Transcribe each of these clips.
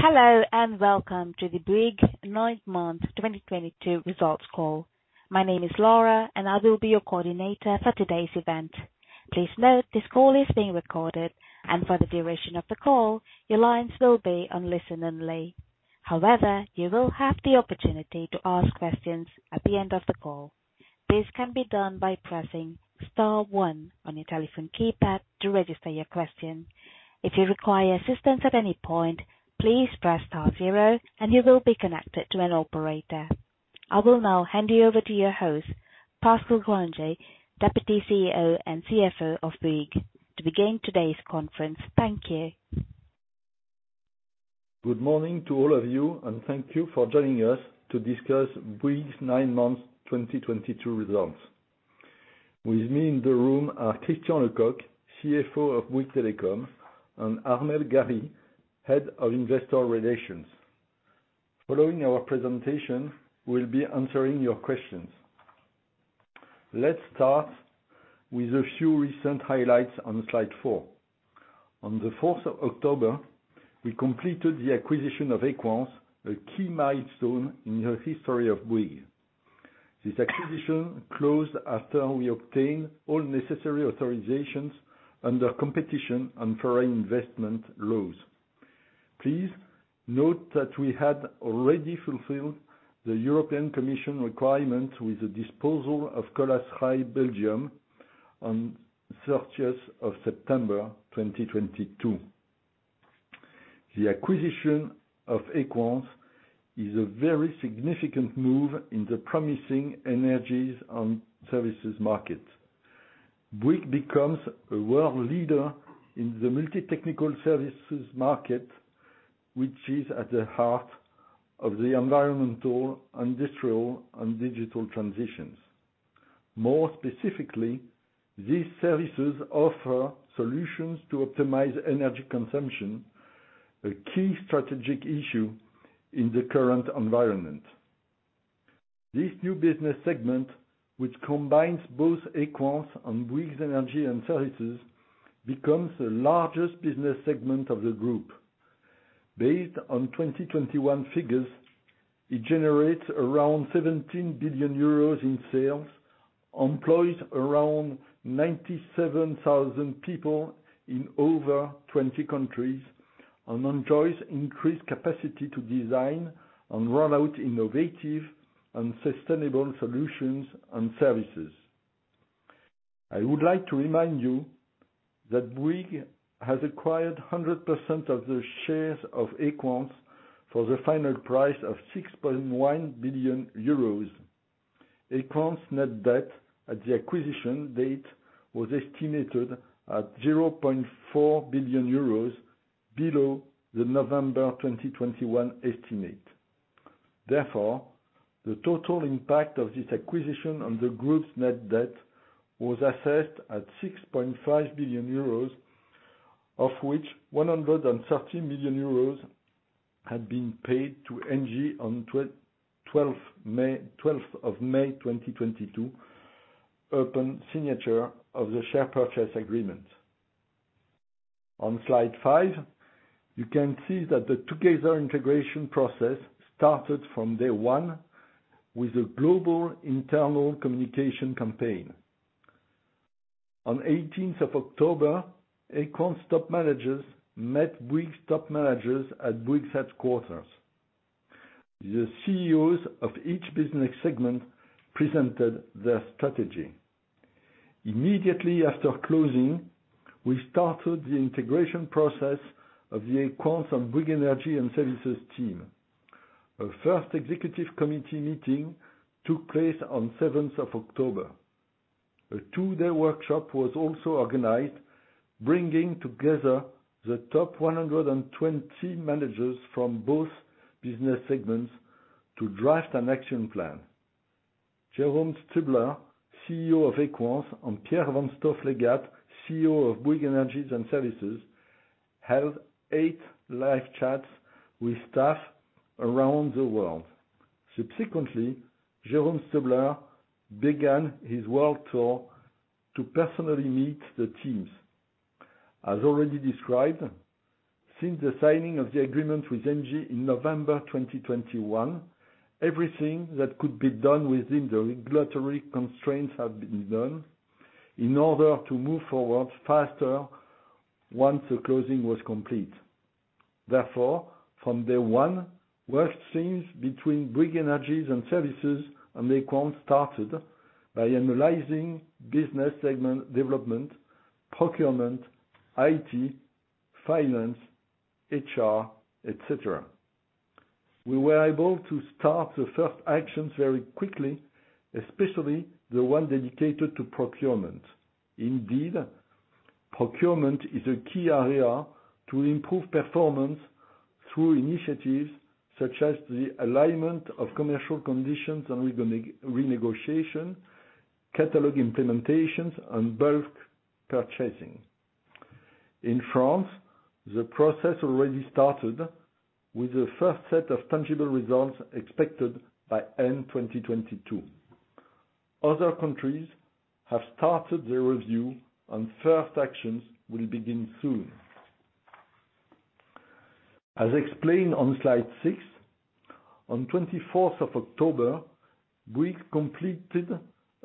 Hello, and welcome to the Bouygues 9-month 2022 results call. My name is Laura, and I will be your coordinator for today's event. Please note this call is being recorded, and for the duration of the call, your lines will be on listen-only. However, you will have the opportunity to ask questions at the end of the call. This can be done by pressing star one on your telephone keypad to register your question. If you require assistance at any point, please press star zero and you will be connected to an operator. I will now hand you over to your host, Pascal Grangé, Deputy CEO and CFO of Bouygues, to begin today's conference. Thank you. Good morning to all of you, and thank you for joining us to discuss Bouygues 9 months 2022 results. With me in the room are Christian Lecoq, CFO of Bouygues Telecom, and Armelle Gary, Head of Investor Relations. Following our presentation, we'll be answering your questions. Let's start with a few recent highlights on slide 4. On the 4th of October, we completed the acquisition of Equans, a key milestone in the history of Bouygues. This acquisition closed after we obtained all necessary authorizations under competition and foreign investment laws. Please note that we had already fulfilled the European Commission requirement with the disposal of Colas Rail Belgium on 13th of September 2022. The acquisition of Equans is a very significant move in the promising energies and services market. Bouygues becomes a world leader in the multi-technical services market, which is at the heart of the environmental, industrial and digital transitions. More specifically, these services offer solutions to optimize energy consumption, a key strategic issue in the current environment. This new business segment, which combines both Equans and Bouygues Energies & Services, becomes the largest business segment of the group. Based on 2021 figures, it generates around 17 billion euros in sales, employs around 97,000 people in over 20 countries, and enjoys increased capacity to design and roll out innovative and sustainable solutions and services. I would like to remind you that Bouygues has acquired 100% of the shares of Equans for the final price of 6.1 billion euros. Equans net debt at the acquisition date was estimated at 0.4 billion euros below the November 2021 estimate. Therefore, the total impact of this acquisition on the group's net debt was assessed at 6.5 billion euros, of which 130 million euros had been paid to Engie on 12th of May 2022, upon signature of the share purchase agreement. On slide 5, you can see that the Together integration process started from day one with a global internal communication campaign. On 18th of October, Equans top managers met Bouygues top managers at Bouygues headquarters. The CEOs of each business segment presented their strategy. Immediately after closing, we started the integration process of the Equans and Bouygues Energies & Services team. A first executive committee meeting took place on 7th of October. A 2-day workshop was also organized, bringing together the top 120 managers from both business segments to draft an action plan. Jérôme Stubler, CEO of Equans, and Pierre Vanstoflegatte, CEO of Bouygues Energies & Services, held 8 live chats with staff around the world. Subsequently, Jérôme Stubler began his world tour to personally meet the teams. As already described, since the signing of the agreement with Engie in November 2021, everything that could be done within the regulatory constraints have been done in order to move forward faster once the closing was complete. Therefore, from day one, work streams between Bouygues Energies & Services and Equans started by analyzing business segment development, procurement, IT, finance, HR, et cetera. We were able to start the first actions very quickly, especially the one dedicated to procurement. Indeed, procurement is a key area to improve performance through initiatives such as the alignment of commercial conditions and renegotiation, catalog implementations, and bulk purchasing. In France, the process already started with the first set of tangible results expected by end 2022. Other countries have started their review and first actions will begin soon. As explained on slide 6, on 24th of October, Bouygues completed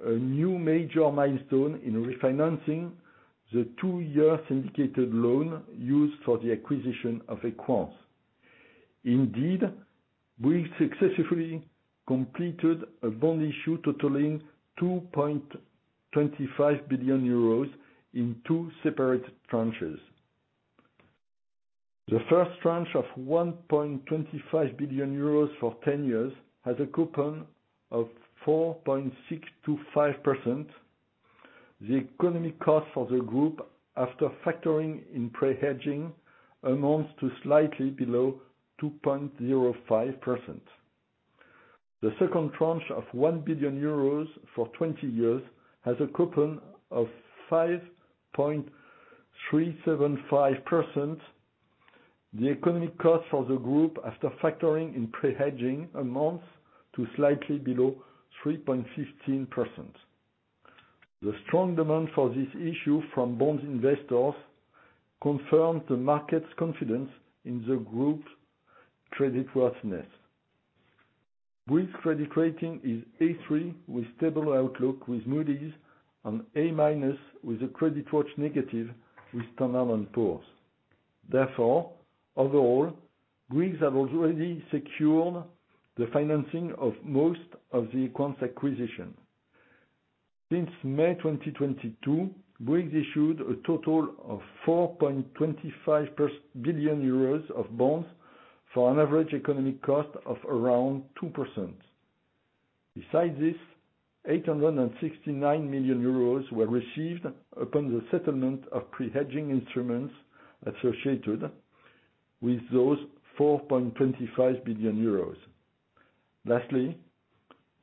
a new major milestone in refinancing the 2-year syndicated loan used for the acquisition of Equans. Indeed, Bouygues successfully completed a bond issue totaling 2.25 billion euros in 2 separate tranches. The first tranche of 1.25 billion euros for 10 years has a coupon of 4.625%. The economic cost for the group, after factoring in pre-hedging, amounts to slightly below 2.05%. The second tranche of 1 billion euros for 20 years has a coupon of 5.375%. The economic cost for the group, after factoring in pre-hedging, amounts to slightly below 3.16%. The strong demand for this issue from bond investors confirms the market's confidence in the group's creditworthiness. Bouygues credit rating is A3 with stable outlook with Moody's and A- with a credit watch negative with Standard & Poor's. Therefore, overall, Bouygues have already secured the financing of most of the Equans acquisition. Since May 2022, Bouygues issued a total of 4.25 billion euros of bonds for an average economic cost of around 2%. Besides this, 869 million euros were received upon the settlement of pre-hedging instruments associated with those 4.25 billion euros. Lastly,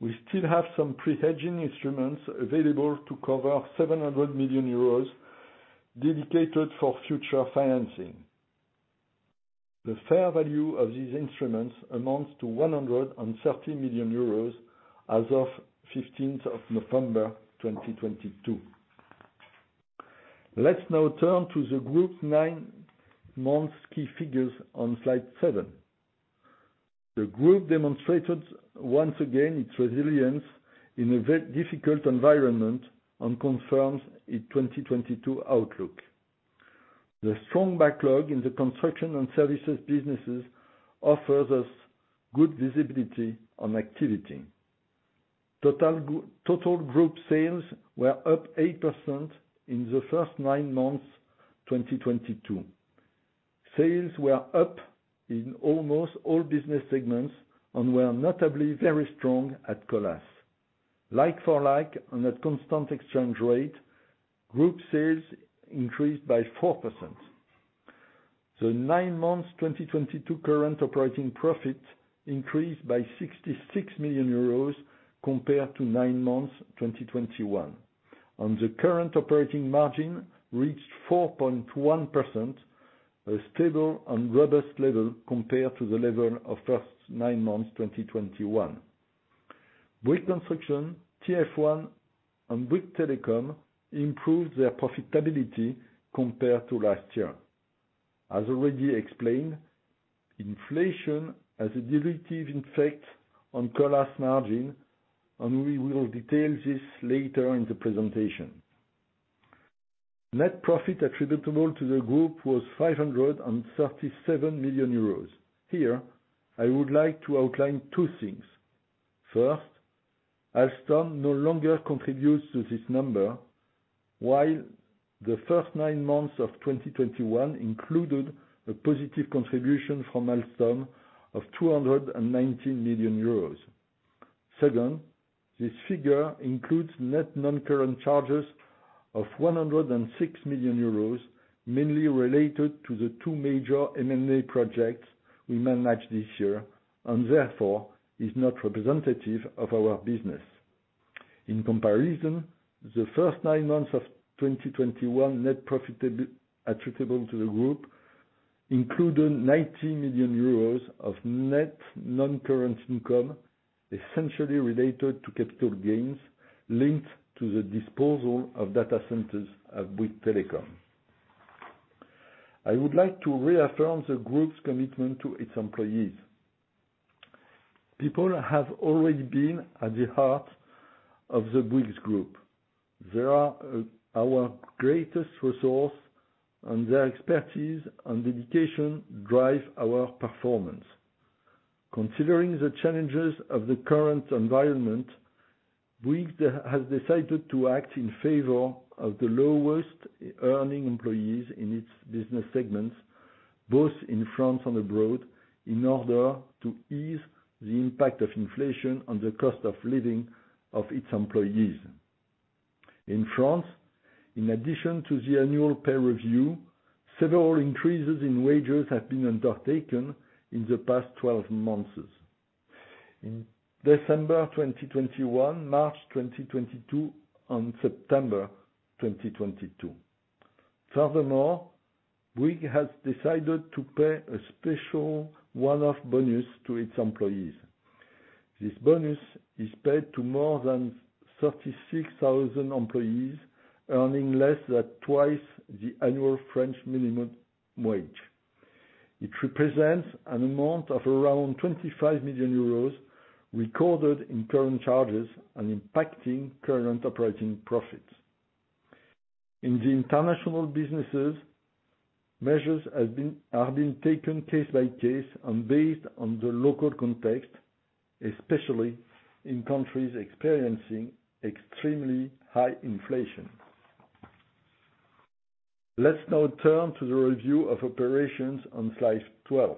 we still have some pre-hedging instruments available to cover 700 million euros dedicated for future financing. The fair value of these instruments amounts to 130 million euros as of 15th of November, 2022. Let's now turn to the Group's 9 months key figures on slide 7. The Group demonstrated once again its resilience in a very difficult environment and confirms its 2022 outlook. The strong backlog in the construction and services businesses offers us good visibility on activity. Total Group sales were up 8% in the first 9 months 2022. Sales were up in almost all business segments and were notably very strong at Colas. Like-for-like on a constant exchange rate, Group sales increased by 4%. The 9 months 2022 current operating profit increased by 66 million euros compared to 9 months 2021. The current operating margin reached 4.1%, a stable and robust level compared to the level of first 9 months 2021. Bouygues Construction, TF1, and Bouygues Telecom improved their profitability compared to last year. As already explained, inflation has a dilutive effect on Colas margin, and we will detail this later in the presentation. Net profit attributable to the group was 537 million euros. Here, I would like to outline 2 things. First, Alstom no longer contributes to this number, while the first 9 months of 2021 included a positive contribution from Alstom of 219 million euros. Second, this figure includes net non-current charges of 106 million euros, mainly related to the 2 major M&A projects we managed this year, and therefore is not representative of our business. In comparison, the first 9 months of 2021 net profit attributable to the Group included 90 million euros of net non-current income, essentially related to capital gains linked to the disposal of data centers at Bouygues Telecom. I would like to reaffirm the Group's commitment to its employees. People have always been at the heart of the Bouygues Group. They are our greatest resource, and their expertise and dedication drive our performance. Considering the challenges of the current environment, Bouygues has decided to act in favor of the lowest earning employees in its business segments, both in France and abroad, in order to ease the impact of inflation on the cost of living of its employees. In France, in addition to the annual pay review, several increases in wages have been undertaken in the past 12 months. In December 2021, March 2022, and September 2022. Furthermore, Bouygues has decided to pay a special one-off bonus to its employees. This bonus is paid to more than 36,000 employees earning less than twice the annual French minimum wage. It represents an amount of around 25 million euros recorded in current charges and impacting current operating profits. In the international businesses, measures are being taken case by case and based on the local context, especially in countries experiencing extremely high inflation. Let's now turn to the review of operations on slide 12.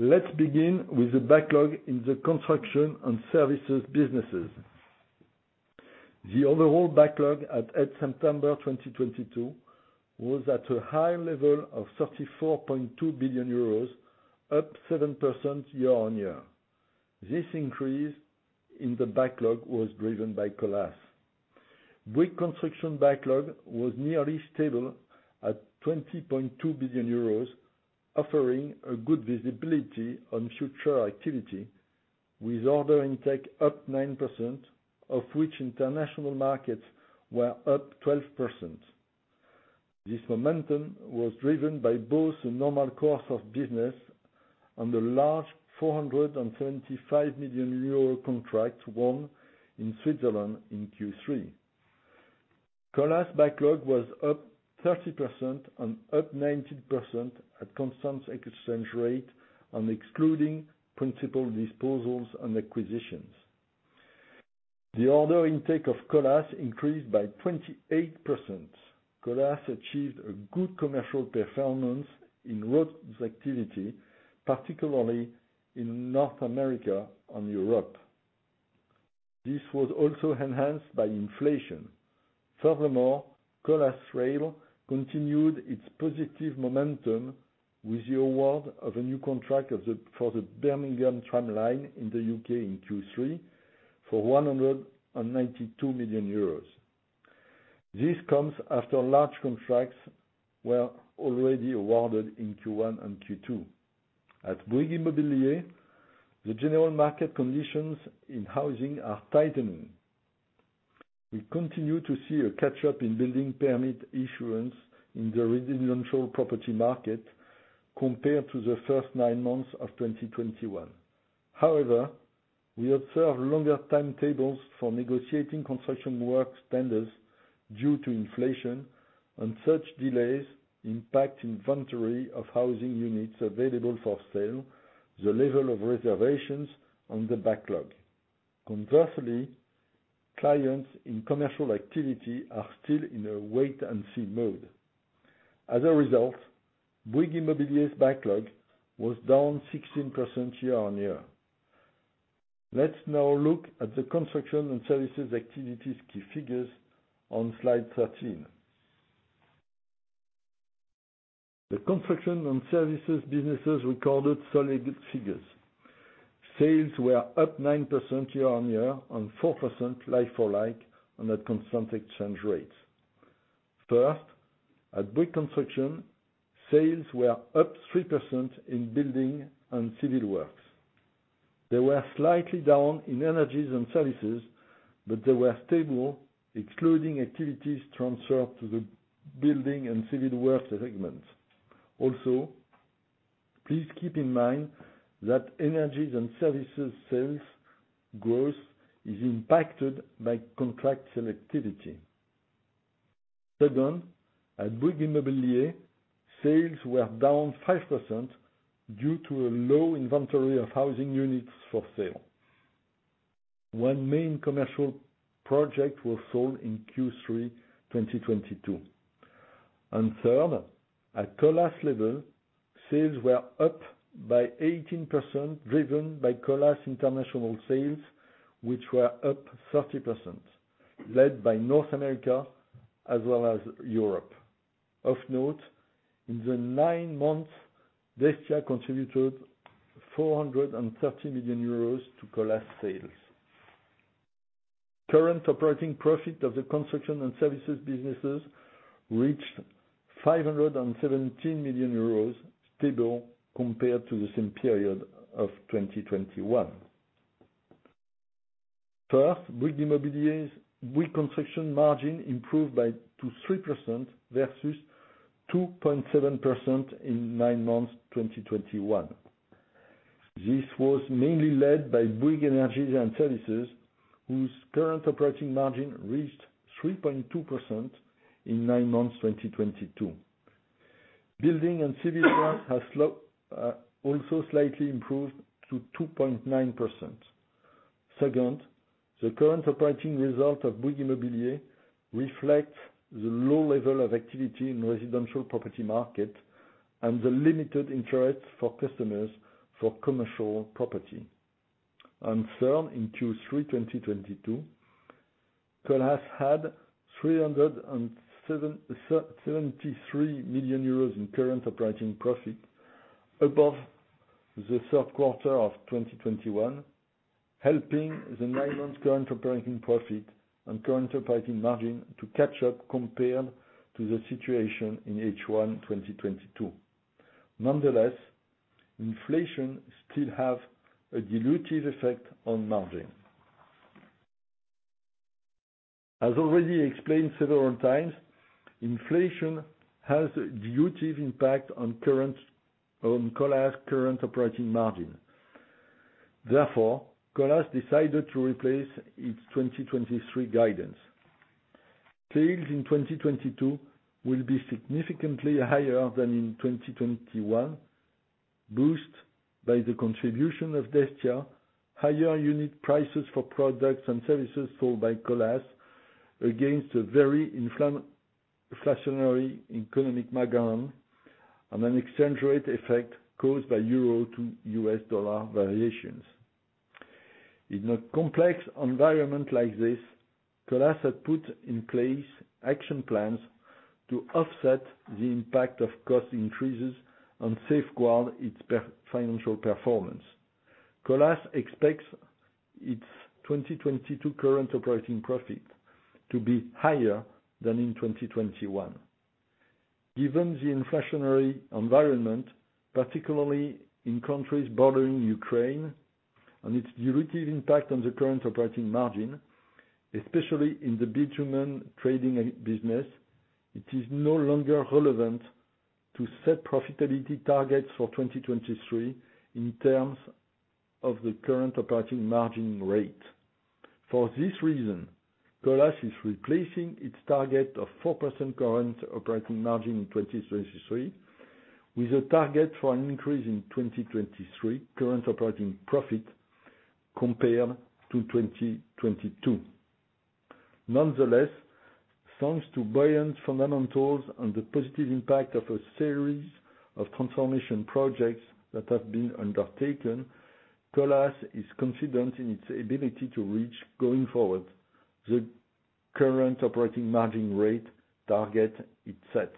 Let's begin with the backlog in the construction and services businesses. The overall backlog at September 2022 was at a high level of 34.2 billion euros, up 7% year-on-year. This increase in the backlog was driven by Colas. Bouygues Construction backlog was nearly stable at 20.2 billion euros, offering a good visibility on future activity, with order intake up 9%, of which international markets were up 12%. This momentum was driven by both the normal course of business and a large 475 million euro contract won in Switzerland in Q3. Colas' backlog was up 30% and up 19% at constant exchange rate and excluding principal disposals and acquisitions. The order intake of Colas increased by 28%. Colas achieved a good commercial performance in roads activity, particularly in North America and Europe. This was also enhanced by inflation. Furthermore, Colas Rail continued its positive momentum with the award of a new contract for the Birmingham tramline in the U.K. in Q3 for 192 million euros. This comes after large contracts were already awarded in Q1 and Q2. At Bouygues Immobilier, the general market conditions in housing are tightening. We continue to see a catch-up in building permit issuance in the residential property market compared to the first 9 months of 2021. However, we observe longer timetables for negotiating construction work standards due to inflation, and such delays impact inventory of housing units available for sale, the level of reservations, and the backlog. Conversely, clients in commercial activity are still in a wait-and-see mode. As a result, Bouygues Immobilier's backlog was down 16% year-on-year. Let's now look at the construction and services activities key figures on slide 13. The construction and services businesses recorded solid figures. Sales were up 9% year-on-year and 4% like-for-like on a constant exchange rate. First, at Bouygues Construction, sales were up 3% in building and civil works. They were slightly down in Energies & Services, but they were stable, excluding activities transferred to the building and civil works segment. Also, please keep in mind that Energies & Services sales growth is impacted by contract selectivity. Second, at Bouygues Immobilier, sales were down 5% due to a low inventory of housing units for sale. One main commercial project was sold in Q3 2022. Third, at Colas level, sales were up by 18%, driven by Colas international sales, which were up 30%, led by North America as well as Europe. Of note, in the 9 months, Destia contributed 430 million euros to Colas sales. Current operating profit of the construction and services businesses reached 517 million euros, stable compared to the same period of 2021. First, Bouygues Construction margin improved to 3% versus 2.7% in 9 months 2021. This was mainly led by Bouygues Energies & Services, whose current operating margin reached 3.2% in 9 months 2022. Building and civil works has also slightly improved to 2.9%. Second, the current operating result of Bouygues Immobilier reflects the low level of activity in residential property market and the limited interest for customers for commercial property. Third, in Q3 2022, Colas had 373 million euros in current operating profit above the Q3 of 2021, helping the 9-month current operating profit and current operating margin to catch up compared to the situation in H1 2022. Nonetheless, inflation still have a dilutive effect on margin. As already explained several times, inflation has a dilutive impact on Colas' current operating margin. Therefore, Colas decided to replace its 2023 guidance. Sales in 2022 will be significantly higher than in 2021, boost by the contribution of Destia, higher unit prices for products and services sold by Colas against a very inflationary economic background, and an exchange rate effect caused by euro to U.S. dollar variations. In a complex environment like this, Colas had put in place action plans to offset the impact of cost increases and safeguard its financial performance. Colas expects its 2022 current operating profit to be higher than in 2021. Given the inflationary environment, particularly in countries bordering Ukraine, and its dilutive impact on the current operating margin, especially in the bitumen trading business, it is no longer relevant to set profitability targets for 2023 in terms of the current operating margin rate. For this reason, Colas is replacing its target of 4% current operating margin in 2023 with a target for an increase in 2023 current operating profit compared to 2022. Nonetheless, thanks to buoyant fundamentals and the positive impact of a series of transformation projects that have been undertaken, Colas is confident in its ability to reach going forward the current operating margin rate target it sets.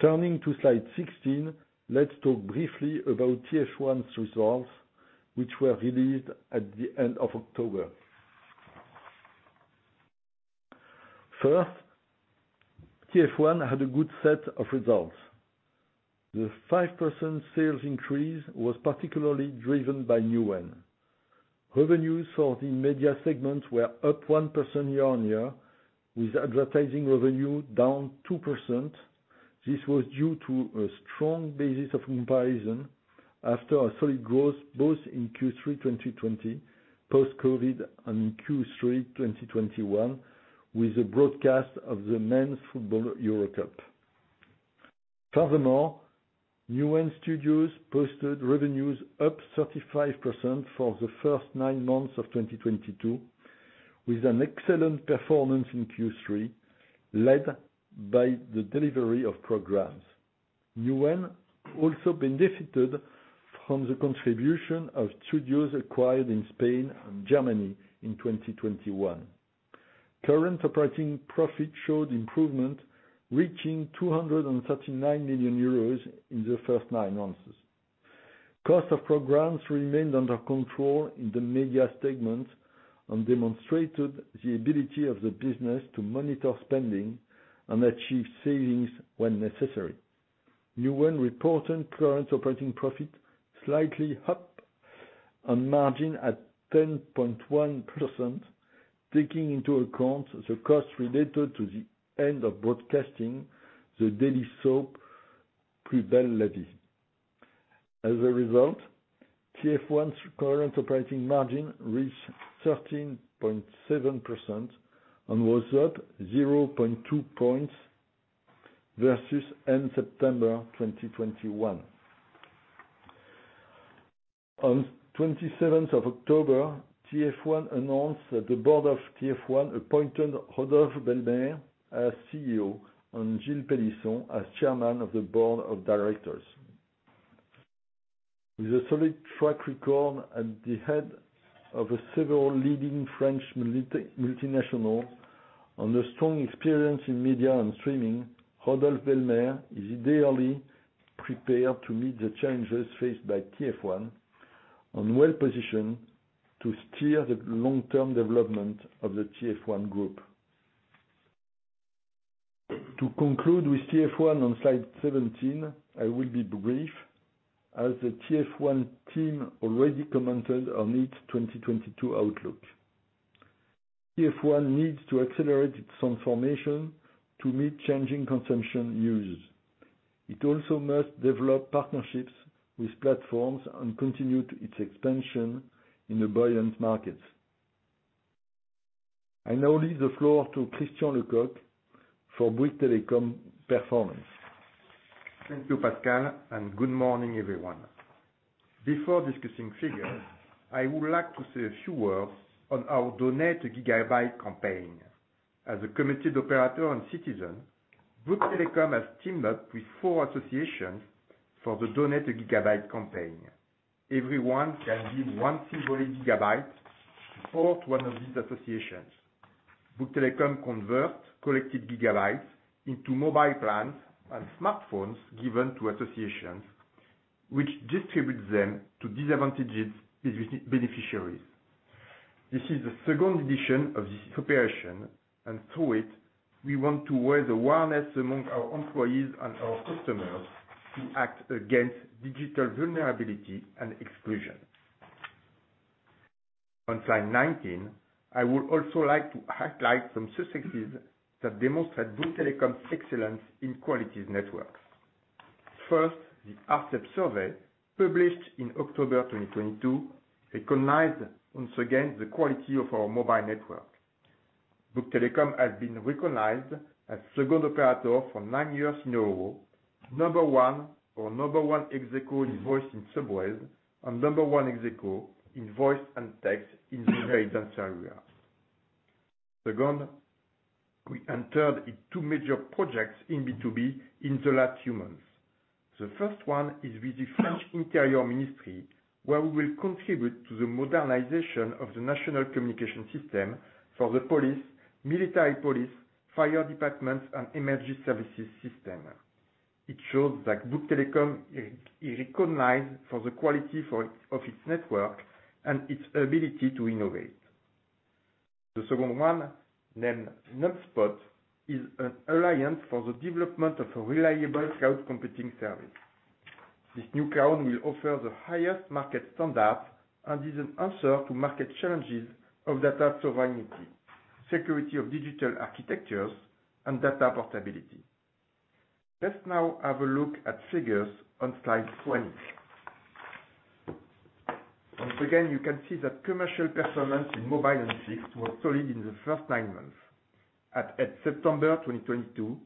Turning to slide 16, let's talk briefly about TF1's results, which were released at the end of October. First, TF1 had a good set of results. The 5% sales increase was particularly driven by Newen. Revenues for the media segment were up 1% year-on-year, with advertising revenue down 2%. This was due to a strong basis of comparison after a solid growth both in Q3 2020, post-COVID, and in Q3 2021, with the broadcast of the men's football Euro Cup. Furthermore, Newen Studios posted revenues up 35% for the first 9 months of 2022, with an excellent performance in Q3, led by the delivery of programs. Newen also benefited from the contribution of studios acquired in Spain and Germany in 2021. Current operating profit showed improvement, reaching 239 million euros in the first 9 months. Cost of programs remained under control in the media segment and demonstrated the ability of the business to monitor spending and achieve savings when necessary. Newen reported current operating profit slightly up, and margin at 10.1%, taking into account the cost related to the end of broadcasting the daily soap, Plus belle la vie. As a result, TF1's current operating margin reached 13.7% and was up 0.2 points versus end September 2021. On 27th of October, TF1 announced that the Board of TF1 appointed Rodolphe Belmer as CEO and Gilles Pélisson as Chairman of the Board of Directors. With a solid track record at the head of several leading French multinationals and strong experience in media and streaming, Rodolphe Belmer is ideally prepared to meet the challenges faced by TF1 and well-positioned to steer the long-term development of the TF1 Group. To conclude with TF1 on slide 17, I will be brief, as the TF1 team already commented on its 2022 outlook. TF1 needs to accelerate its transformation to meet changing consumption uses. It also must develop partnerships with platforms and continue its expansion in the buoyant markets. I now leave the floor to Christian Lecoq for Bouygues Telecom performance. Thank you, Pascal, and good morning, everyone. Before discussing figures, I would like to say a few words on our Donate a Gigabyte campaign. As a committed operator and citizen, Bouygues Telecom has teamed up with 4 associations for the Donate a Gigabyte campaign. Everyone can give one symbolic gigabyte to support one of these associations. Bouygues Telecom converts collected gigabytes into mobile plans and smartphones given to associations, which distributes them to disadvantaged beneficiaries. This is the second edition of this operation, and through it, we want to raise awareness among our employees and our customers to act against digital vulnerability and exclusion. On slide 19, I would also like to highlight some successes that demonstrate Bouygues Telecom's excellence in quality networks. First, the ARCEP survey, published in October 2022, recognized once again the quality of our mobile network. Bouygues Telecom has been recognized as second operator for 9 years in a row, number one or number one ex æquo in voice in subways, and number one ex æquo in voice and text in very dense areas. Second, we entered in 2 major projects in B2B in the last few months. The first one is with the French Interior Ministry, where we will contribute to the modernization of the national communication system for the police, military police, fire departments, and emergency services system. It shows that Bouygues Telecom i-is recognized for the quality for, of its network and its ability to innovate. The second one, named Nubspot, is an alliance for the development of a reliable cloud computing service. This new cloud will offer the highest market standard and is an answer to market challenges of data sovereignty, security of digital architectures, and data portability. Let's now have a look at figures on slide 20. Once again, you can see that commercial performance in mobile and fixed were solid in the first 9 months. At September 2022,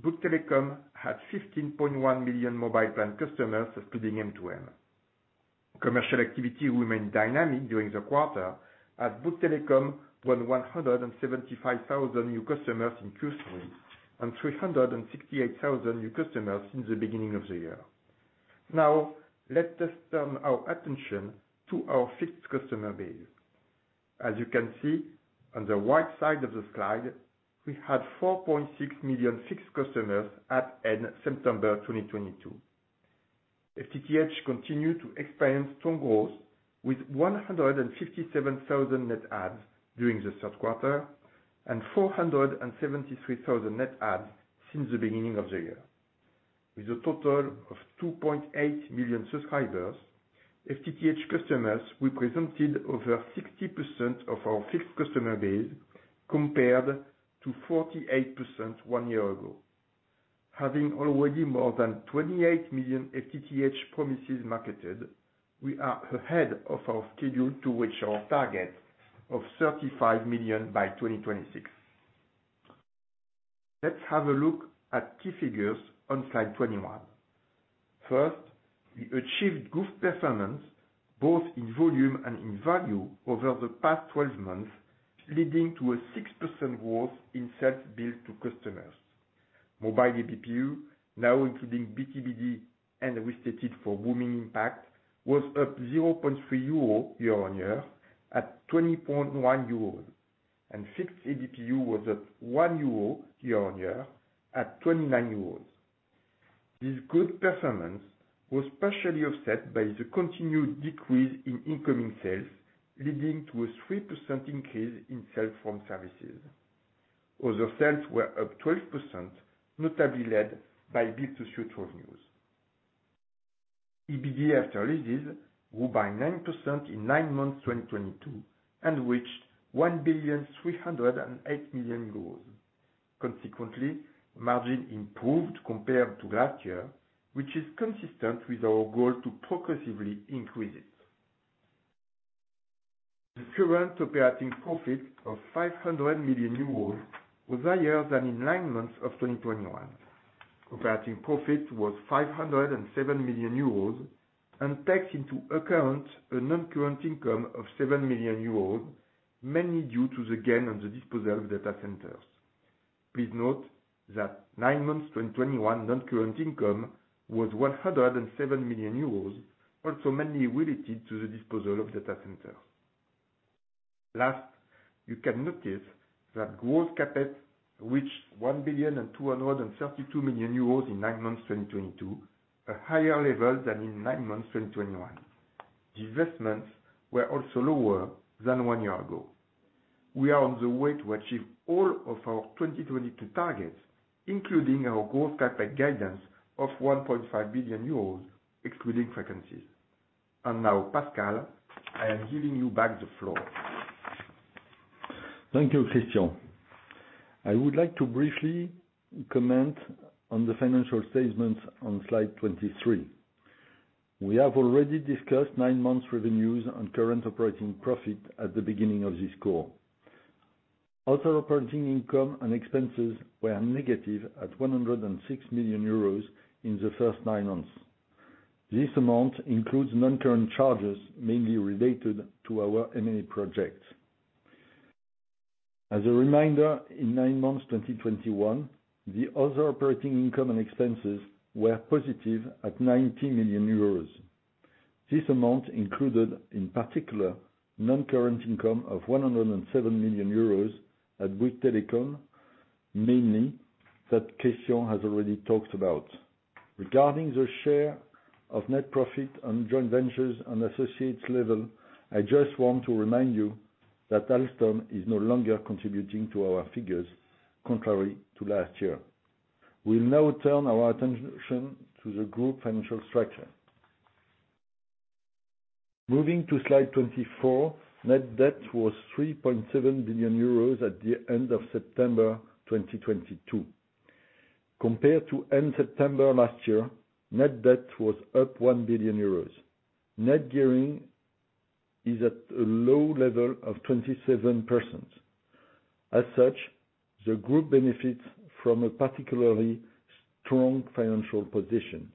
Bouygues Telecom had 15.1 million mobile plan customers, excluding M2M. Commercial activity remained dynamic during the quarter, as Bouygues Telecom won 175,000 new customers in Q3 and 368,000 new customers since the beginning of the year. Now, let us turn our attention to our fixed customer base. As you can see on the right side of the slide, we had 4.6 million fixed customers at end September 2022. FTTH continued to experience strong growth with 157,000 net adds during the Q3 and 473,000 net adds since the beginning of the year. With a total of 2.8 million subscribers, FTTH customers represented over 60% of our fixed customer base, compared to 48% one year ago. Having already more than 28 million FTTH premises marketed, we are ahead of our schedule to reach our target of 35 million by 2026. Let's have a look at key figures on slide 21. First, we achieved good performance both in volume and in value over the past 12 months, leading to a 6% growth in sales billed to customers. Mobile ARPU, now including B2B2C and restated for roaming impact, was up 0.3 euro year-on-year at 20.1 euros. Fixed ARPU was up 1 euro year-on-year at 29 euros. This good performance was partially offset by the continued decrease in incoming sales, leading to a 3% increase in sales from services. Other sales were up 12%, notably led by B2C revenues. EBITDA after leases grew by 9% in 9 months 2022 and reached 1,308 million euros. Consequently, margin improved compared to last year, which is consistent with our goal to progressively increase it. The current operating profit of 500 million euros was higher than in 9 months of 2021. Operating profit was 507 million euros and takes into account a non-current income of 7 million euros, mainly due to the gain on the disposal of data centers. Please note that 9 months 2021 non-current income was 107 million euros, also mainly related to the disposal of data centers. Last, you can notice that gross CapEx reached 1,232 million euros in 9 months 2022, a higher level than in 9 months 2021. Divestments were also lower than one year ago. We are on the way to achieve all of our 2022 targets, including our gross CapEx guidance of 1.5 billion euros, excluding frequencies. Now, Pascal, I am giving you back the floor. Thank you, Christian. I would like to briefly comment on the financial statement on slide 23. We have already discussed 9 months revenues and current operating profit at the beginning of this call. Other operating income and expenses were negative at 106 million euros in the first 9 months. This amount includes non-current charges mainly related to our M.&A. project. As a reminder, in 9 months 2021, the other operating income and expenses were positive at 90 million euros. This amount included, in particular, non-current income of 107 million euros at Bouygues Telecom, mainly that Christian has already talked about. Regarding the share of net profit on joint ventures and associates level, I just want to remind you that Alstom is no longer contributing to our figures, contrary to last year. We'll now turn our attention to the group financial structure. Moving to slide 24, net debt was 3.7 billion euros at the end of September 2022. Compared to end September last year, net debt was up 1 billion euros. Net gearing is at a low level of 27%. As such, the Group benefits from a particularly strong financial position.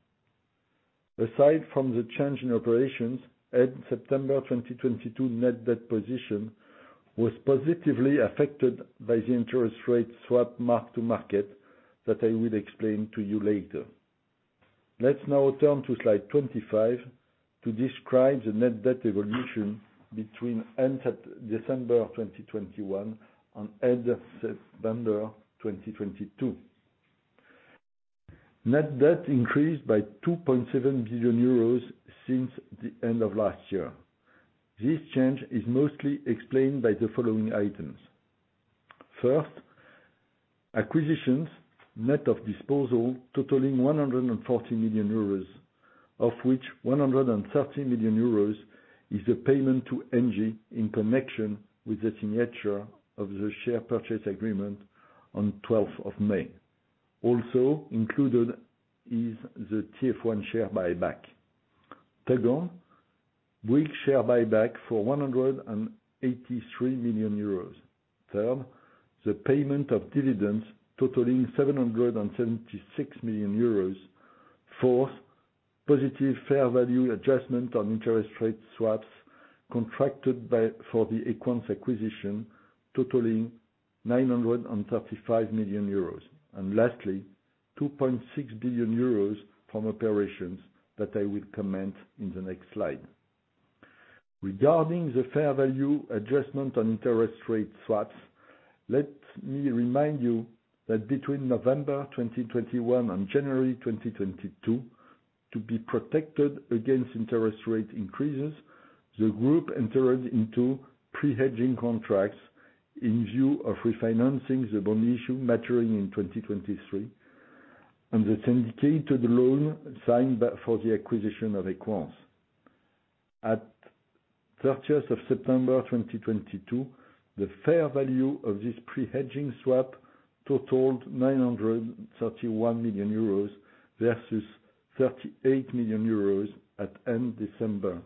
Aside from the change in operations, end September 2022 net debt position was positively affected by the interest rate swap mark-to-market that I will explain to you later. Let's now turn to slide 25 to describe the net debt evolution between end December 2021 and end September 2022. Net debt increased by 2.7 billion euros since the end of last year. This change is mostly explained by the following items. First, acquisitions net of disposal totaling 140 million euros, of which 130 million euros is the payment to Engie in connection with the signature of the share purchase agreement on 12th of May. Also included is the TF1 share buyback. Second, Bouygues share buyback for 183 million euros. Third, the payment of dividends totaling 776 million euros. Fourth, positive fair value adjustment on interest rate swaps contracted for the Equans acquisition totaling 935 million euros. Lastly, 2.6 billion euros from operations that I will comment in the next slide. Regarding the fair value adjustment on interest rate swaps, let me remind you that between November 2021 and January 2022, to be protected against interest rate increases, the Group entered into pre-hedging contracts in view of refinancing the bond issue maturing in 2023, and the syndicated loan signed for the acquisition of Equans. At 30th of September 2022, the fair value of this pre-hedging swap totaled 931 million euros versus 38 million euros at end December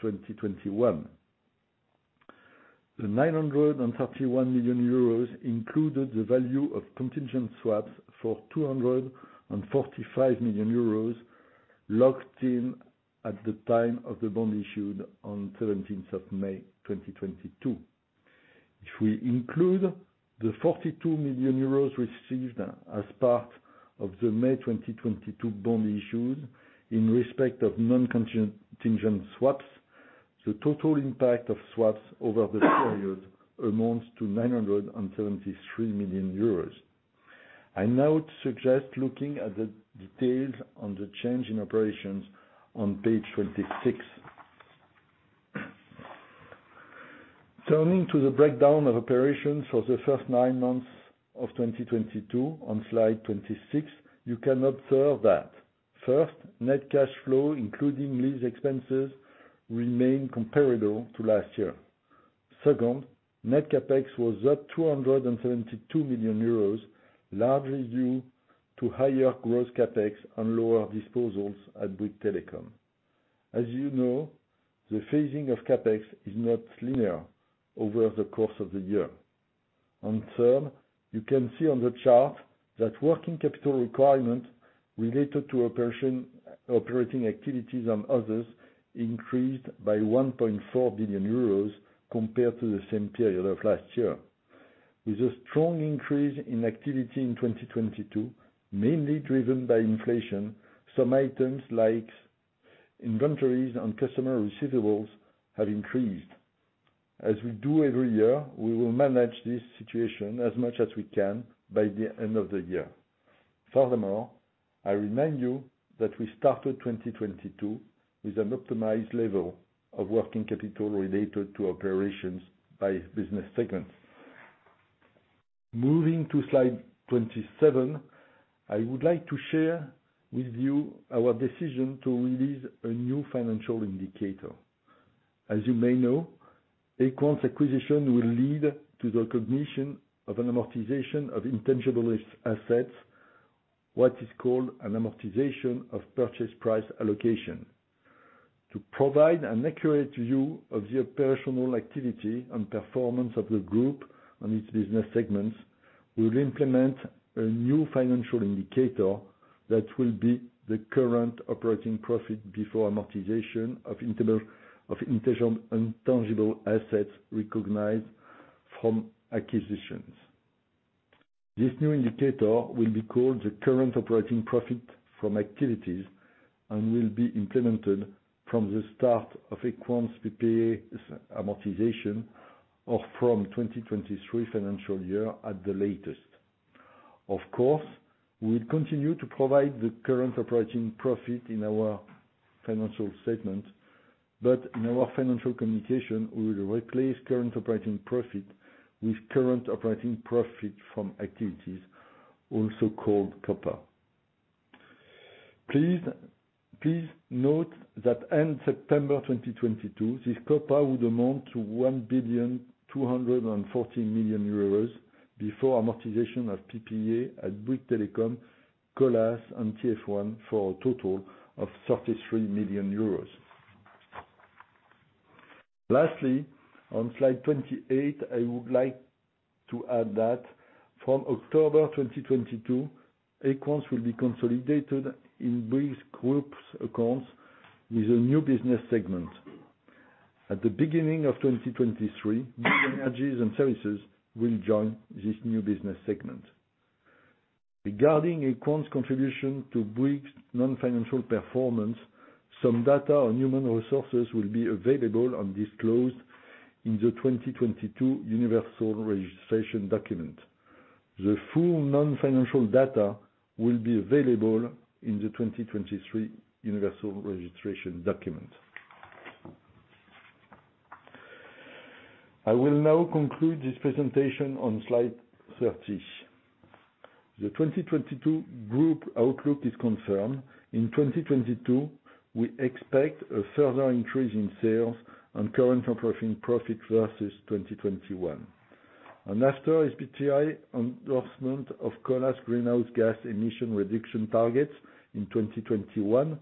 2021. The 931 million euros included the value of contingent swaps for 245 million euros locked in at the time of the bond issued on 17th of May 2022. If we include the 42 million euros received as part of the May 2022 bond issued in respect of non-contingent swaps, the total impact of swaps over the period amounts to 973 million euros. I now suggest looking at the details on the change in operations on page 26. Turning to the breakdown of operations for the first 9 months of 2022 on slide 26, you can observe that first, net cash flow, including lease expenses, remain comparable to last year. Second, net CapEx was at 272 million euros, largely due to higher gross CapEx and lower disposals at Bouygues Telecom. As you know, the phasing of CapEx is not linear over the course of the year. Third, you can see on the chart that working capital requirement related to operation, operating activities and others increased by 1.4 billion euros compared to the same period of last year. With a strong increase in activity in 2022, mainly driven by inflation, some items like inventories and customer receivables have increased. As we do every year, we will manage this situation as much as we can by the end of the year. Furthermore, I remind you that we started 2022 with an optimized level of working capital related to operations by business segments. Moving to slide 27, I would like to share with you our decision to release a new financial indicator. As you may know, Equans acquisition will lead to the recognition of an amortization of intangible assets, what is called an amortization of purchase price allocation. To provide an accurate view of the operational activity and performance of the Group and its business segments, we'll implement a new financial indicator that will be the current operating profit before amortization of intangible assets recognized from acquisitions. This new indicator will be called the current operating profit from activities and will be implemented from the start of Equans PPA amortization or from 2023 financial year at the latest. Of course, we'll continue to provide the current operating profit in our financial statement, but in our financial communication, we will replace current operating profit with current operating profit from activities, also called COPPA. Please note that end September 2022, this COPPA would amount to 1,214 million euros before amortization of PPA at Bouygues Telecom, Colas and TF1 for a total of 33 million euros. Lastly, on slide 28, I would like to add that from October 2022, Equans will be consolidated in Bouygues group's accounts with a new business segment. At the beginning of 2023, Bouygues Energies & Services will join this new business segment. Regarding Equans contribution to Bouygues non-financial performance, some data on human resources will be available and disclosed in the 2022 Universal Registration Document. The full non-financial data will be available in the 2023 Universal Registration Document. I will now conclude this presentation on slide 30. The 2022 group outlook is confirmed. In 2022, we expect a further increase in sales and current operating profit versus 2021. After SBTi endorsement of Colas greenhouse gas emission reduction targets in 2021,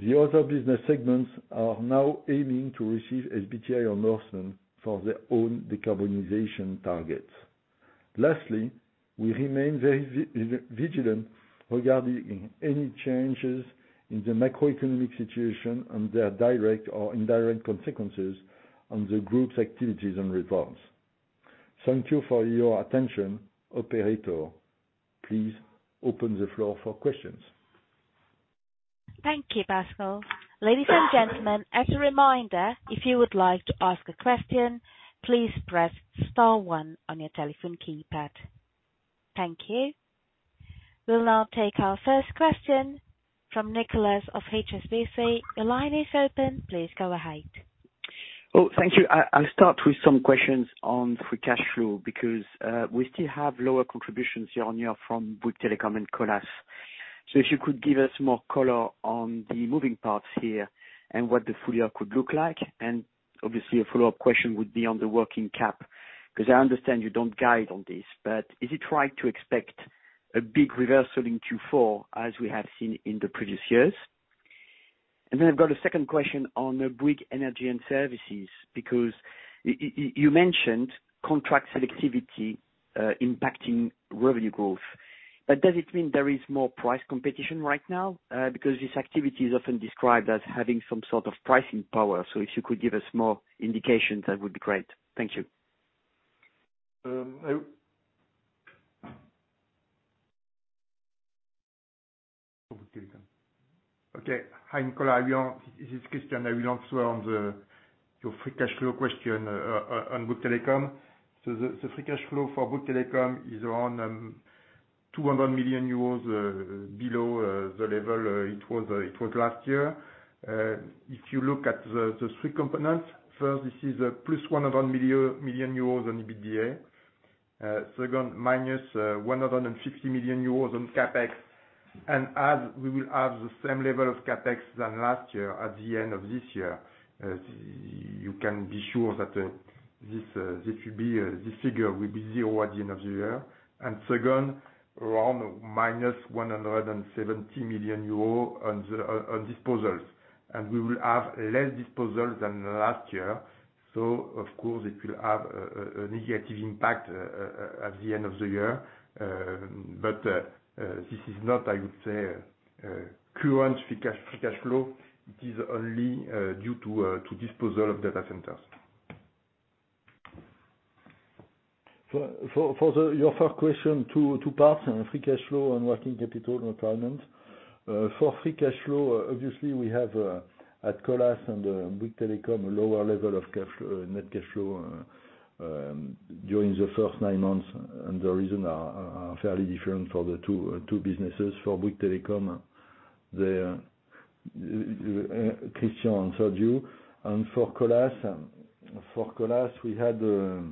the other business segments are now aiming to receive SBTi endorsement for their own decarbonization targets. Lastly, we remain very vigilant regarding any changes in the macroeconomic situation and their direct or indirect consequences on the Group's activities and reforms. Thank you for your attention. Operator, please open the floor for questions. Thank you, Pascal. Ladies and gentlemen, as a reminder, if you would like to ask a question, please press star one on your telephone keypad. Thank you. We'll now take our first question from Nicolas of HSBC. Your line is open. Please go ahead. Thank you. I'll start with some questions on free cash flow because we still have lower contributions year-on-year from Bouygues Telecom and Colas. If you could give us more color on the moving parts here and what the full year could look like. Obviously a follow-up question would be on the working cap, 'cause I understand you don't guide on this, but is it right to expect a big reversal in Q4 as we have seen in the previous years? I've got a second question on Bouygues Energies & Services because you mentioned contract selectivity impacting revenue growth. Does it mean there is more price competition right now because this activity is often described as having some sort of pricing power? If you could give us more indication, that would be great. Thank you. Okay. Hi, Nicolas. This question I will answer on your free cash flow question on Bouygues Telecom. The free cash flow for Bouygues Telecom is around 200 million euros below the level it was last year. If you look at the 3 components, first, this is +100 million euros on EBITDA. Second, -150 million euros on CapEx. As we will have the same level of CapEx than last year at the end of this year, you can be sure that this figure will be zero at the end of the year. Second, around -170 million euros on disposals. We will have less disposals than last year. Of course it will have a negative impact at the end of the year. This is not, I would say, current free cash flow. It is only due to disposal of data centers. For your first question, 2 parts, on free cash flow and working capital requirement. For free cash flow, obviously we have at Colas and Bouygues Telecom a lower level of cash flow, net cash flow during the first 9 months. The reason are fairly different for the 2 businesses. For Bouygues Telecom, Christian answered you. For Colas, we had a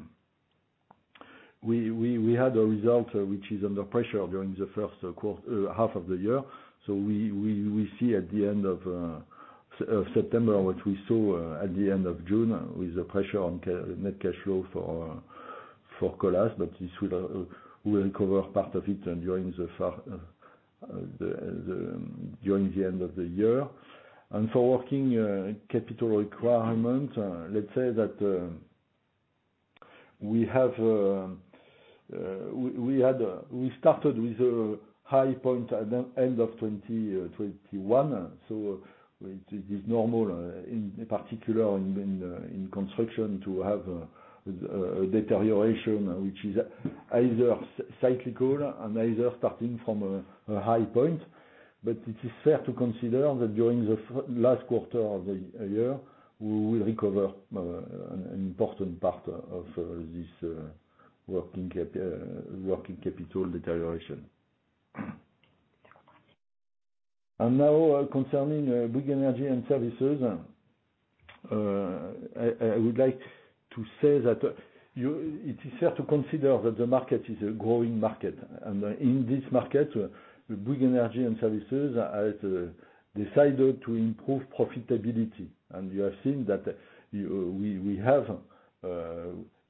result which is under pressure during the Q1, half of the year. We see at the end of September what we saw at the end of June with the pressure on net cash flow for Colas. We'll recover part of it during the end of the year. For working capital requirement, we started with a high point at the end of 2021. It is normal, in particular in construction, to have a deterioration which is either cyclical and either starting from a high point. It is fair to consider that during the last quarter of the year, we will recover an important part of this working capital deterioration. Now, concerning Bouygues Energies & Services, I would like to say that it is fair to consider that the market is a growing market. In this market, the Bouygues Energies & Services has decided to improve profitability. You have seen that,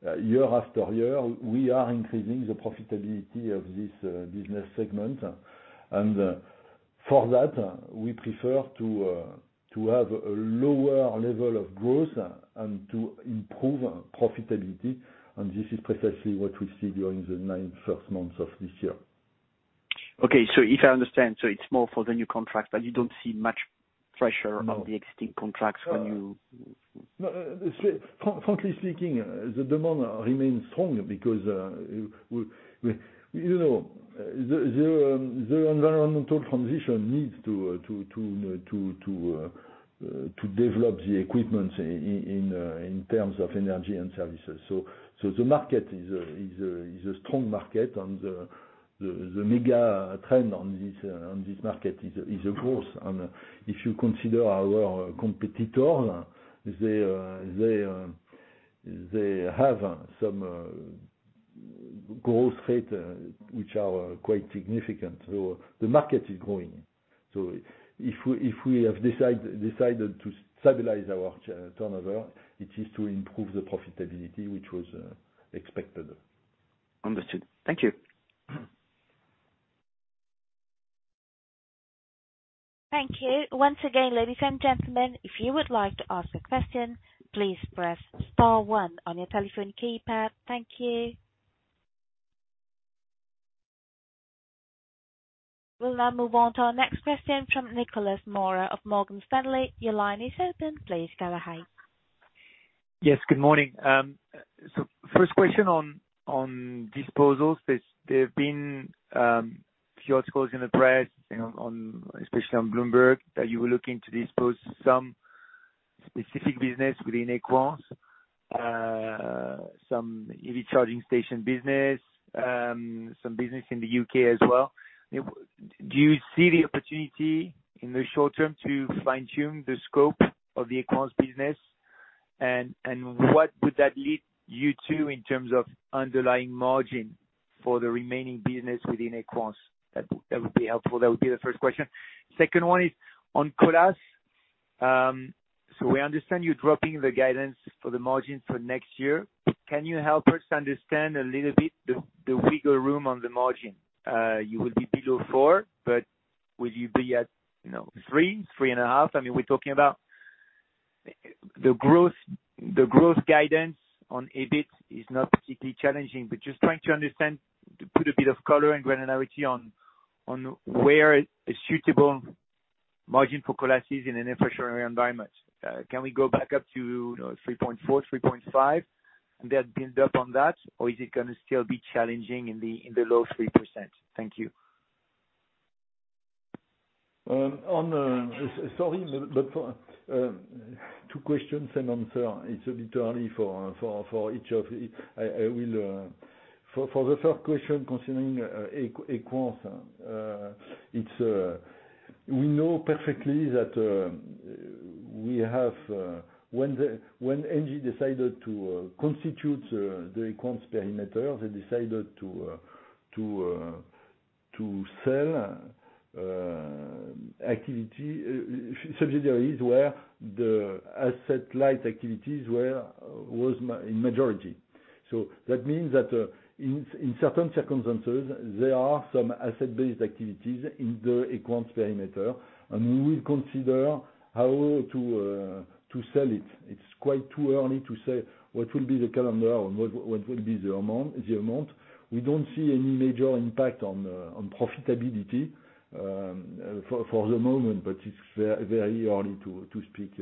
year after year, we are increasing the profitability of this business segment. For that, we prefer to have a lower level of growth and to improve profitability, and this is precisely what we see during the 9 first months of this year. Okay. If I understand, it's more for the new contracts, but you don't see much pressure on the existing contracts? No, frankly speaking, the demand remains strong because, you know, the environmental transition needs to develop the equipment in terms of energy and services. The market is a strong market. The megatrend on this market is a growth. If you consider our competitor, they have some growth rate which are quite significant. The market is growing. If we have decided to stabilize our turnover, it is to improve the profitability which was expected. Understood. Thank you. Thank you. Once again, ladies and gentlemen, if you would like to ask a question, please press star one on your telephone keypad. Thank you. We'll now move on to our next question from Nicolas Mora of Morgan Stanley. Your line is open. Please go ahead. Yes, good morning. First question on disposals. There have been a few articles in the press and especially on Bloomberg that you were looking to dispose some specific business within Equans, some EV charging station business, some business in the U.K. as well. Do you see the opportunity in the short term to fine-tune the scope of the Equans business? What would that lead you to in terms of underlying margin for the remaining business within Equans? That would be helpful. That would be the first question. Second one is on Colas. We understand you're dropping the guidance for the margin for next year. Can you help us understand a little bit the wiggle room on the margin? You will be below 4%, but will you be at, you know, 3%-3.5%? I mean, we're talking about the growth guidance on EBIT is not particularly challenging, but just trying to understand, to put a bit of color and granularity on where a suitable margin for Colas is in an inflationary environment. Can we go back up to, you know, 3.4%-3.5%, and then build up on that? Is it gonna still be challenging in the low 3%? Thank you. On, sorry, for 2 questions and answer. It's a bit early for each of it. For the first question concerning Equans, we know perfectly that when Engie decided to constitute the Equans perimeter, they decided to sell activity subsidiaries where the asset-light activities was in majority. That means that in certain circumstances, there are some asset-based activities in the Equans perimeter, and we will consider how to sell it. It's quite too early to say what will be the calendar or what will be the amount. We don't see any major impact on profitability for the moment, but it's very early to speak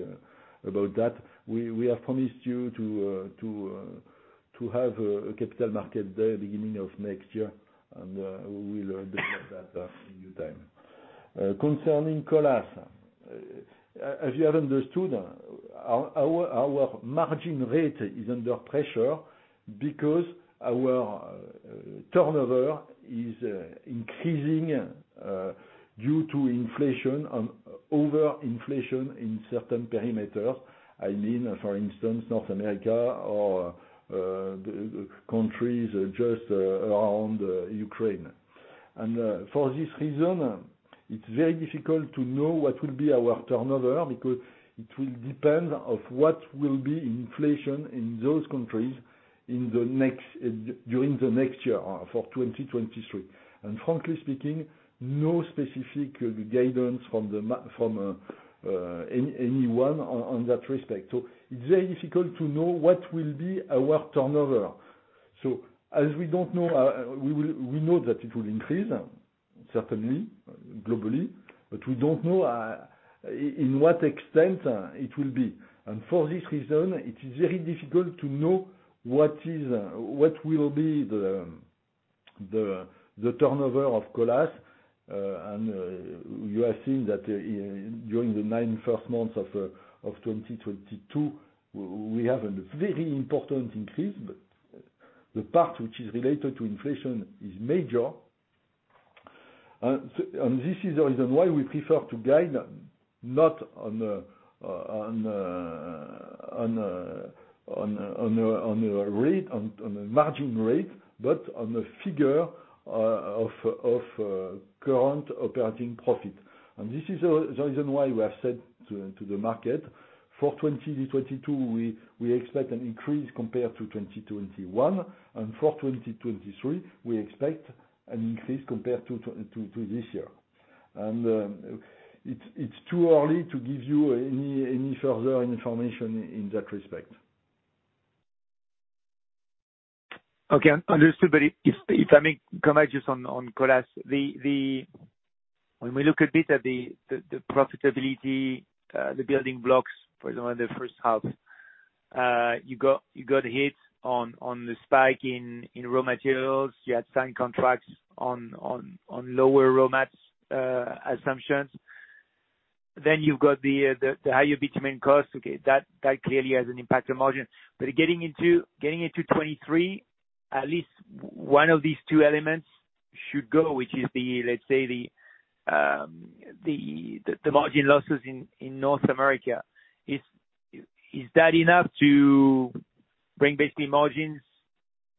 about that. We have promised you to have a capital market day at the beginning of next year, and we will deliver that in due time. Concerning Colas, as you have understood, our margin rate is under pressure because our turnover is increasing due to inflation and over-inflation in certain perimeters. I mean, for instance, North America or the countries just around Ukraine. For this reason, it's very difficult to know what will be our turnover because it will depend of what will be inflation in those countries during the next year for 2023. Frankly speaking, no specific guidance from anyone on that respect. It's very difficult to know what will be our turnover. As we don't know, we know that it will increase. Certainly, globally, but we don't know in what extent it will be. For this reason, it is very difficult to know what will be the turnover of Colas. You have seen that during the 9 first months of 2022, we have a very important increase. The part which is related to inflation is major. This is the reason why we prefer to guide not on a margin rate, but on the figure of current operating profit. This is the reason why we have said to the market for 2022, we expect an increase compared to 2021. For 2023, we expect an increase compared to this year. It's too early to give you any further information in that respect. Okay, understood. If I may come back just on Colas. When we look a bit at the profitability, the building blocks, for example, in the H1, you got hit on the spike in raw materials. You had signed contracts on lower raw mats assumptions. You've got the higher bitumen costs. Okay. That clearly has an impact on margin. Getting into 2023, at least one of these 2 elements should go, which is the, let's say, the margin losses in North America. Is that enough to bring basically margins,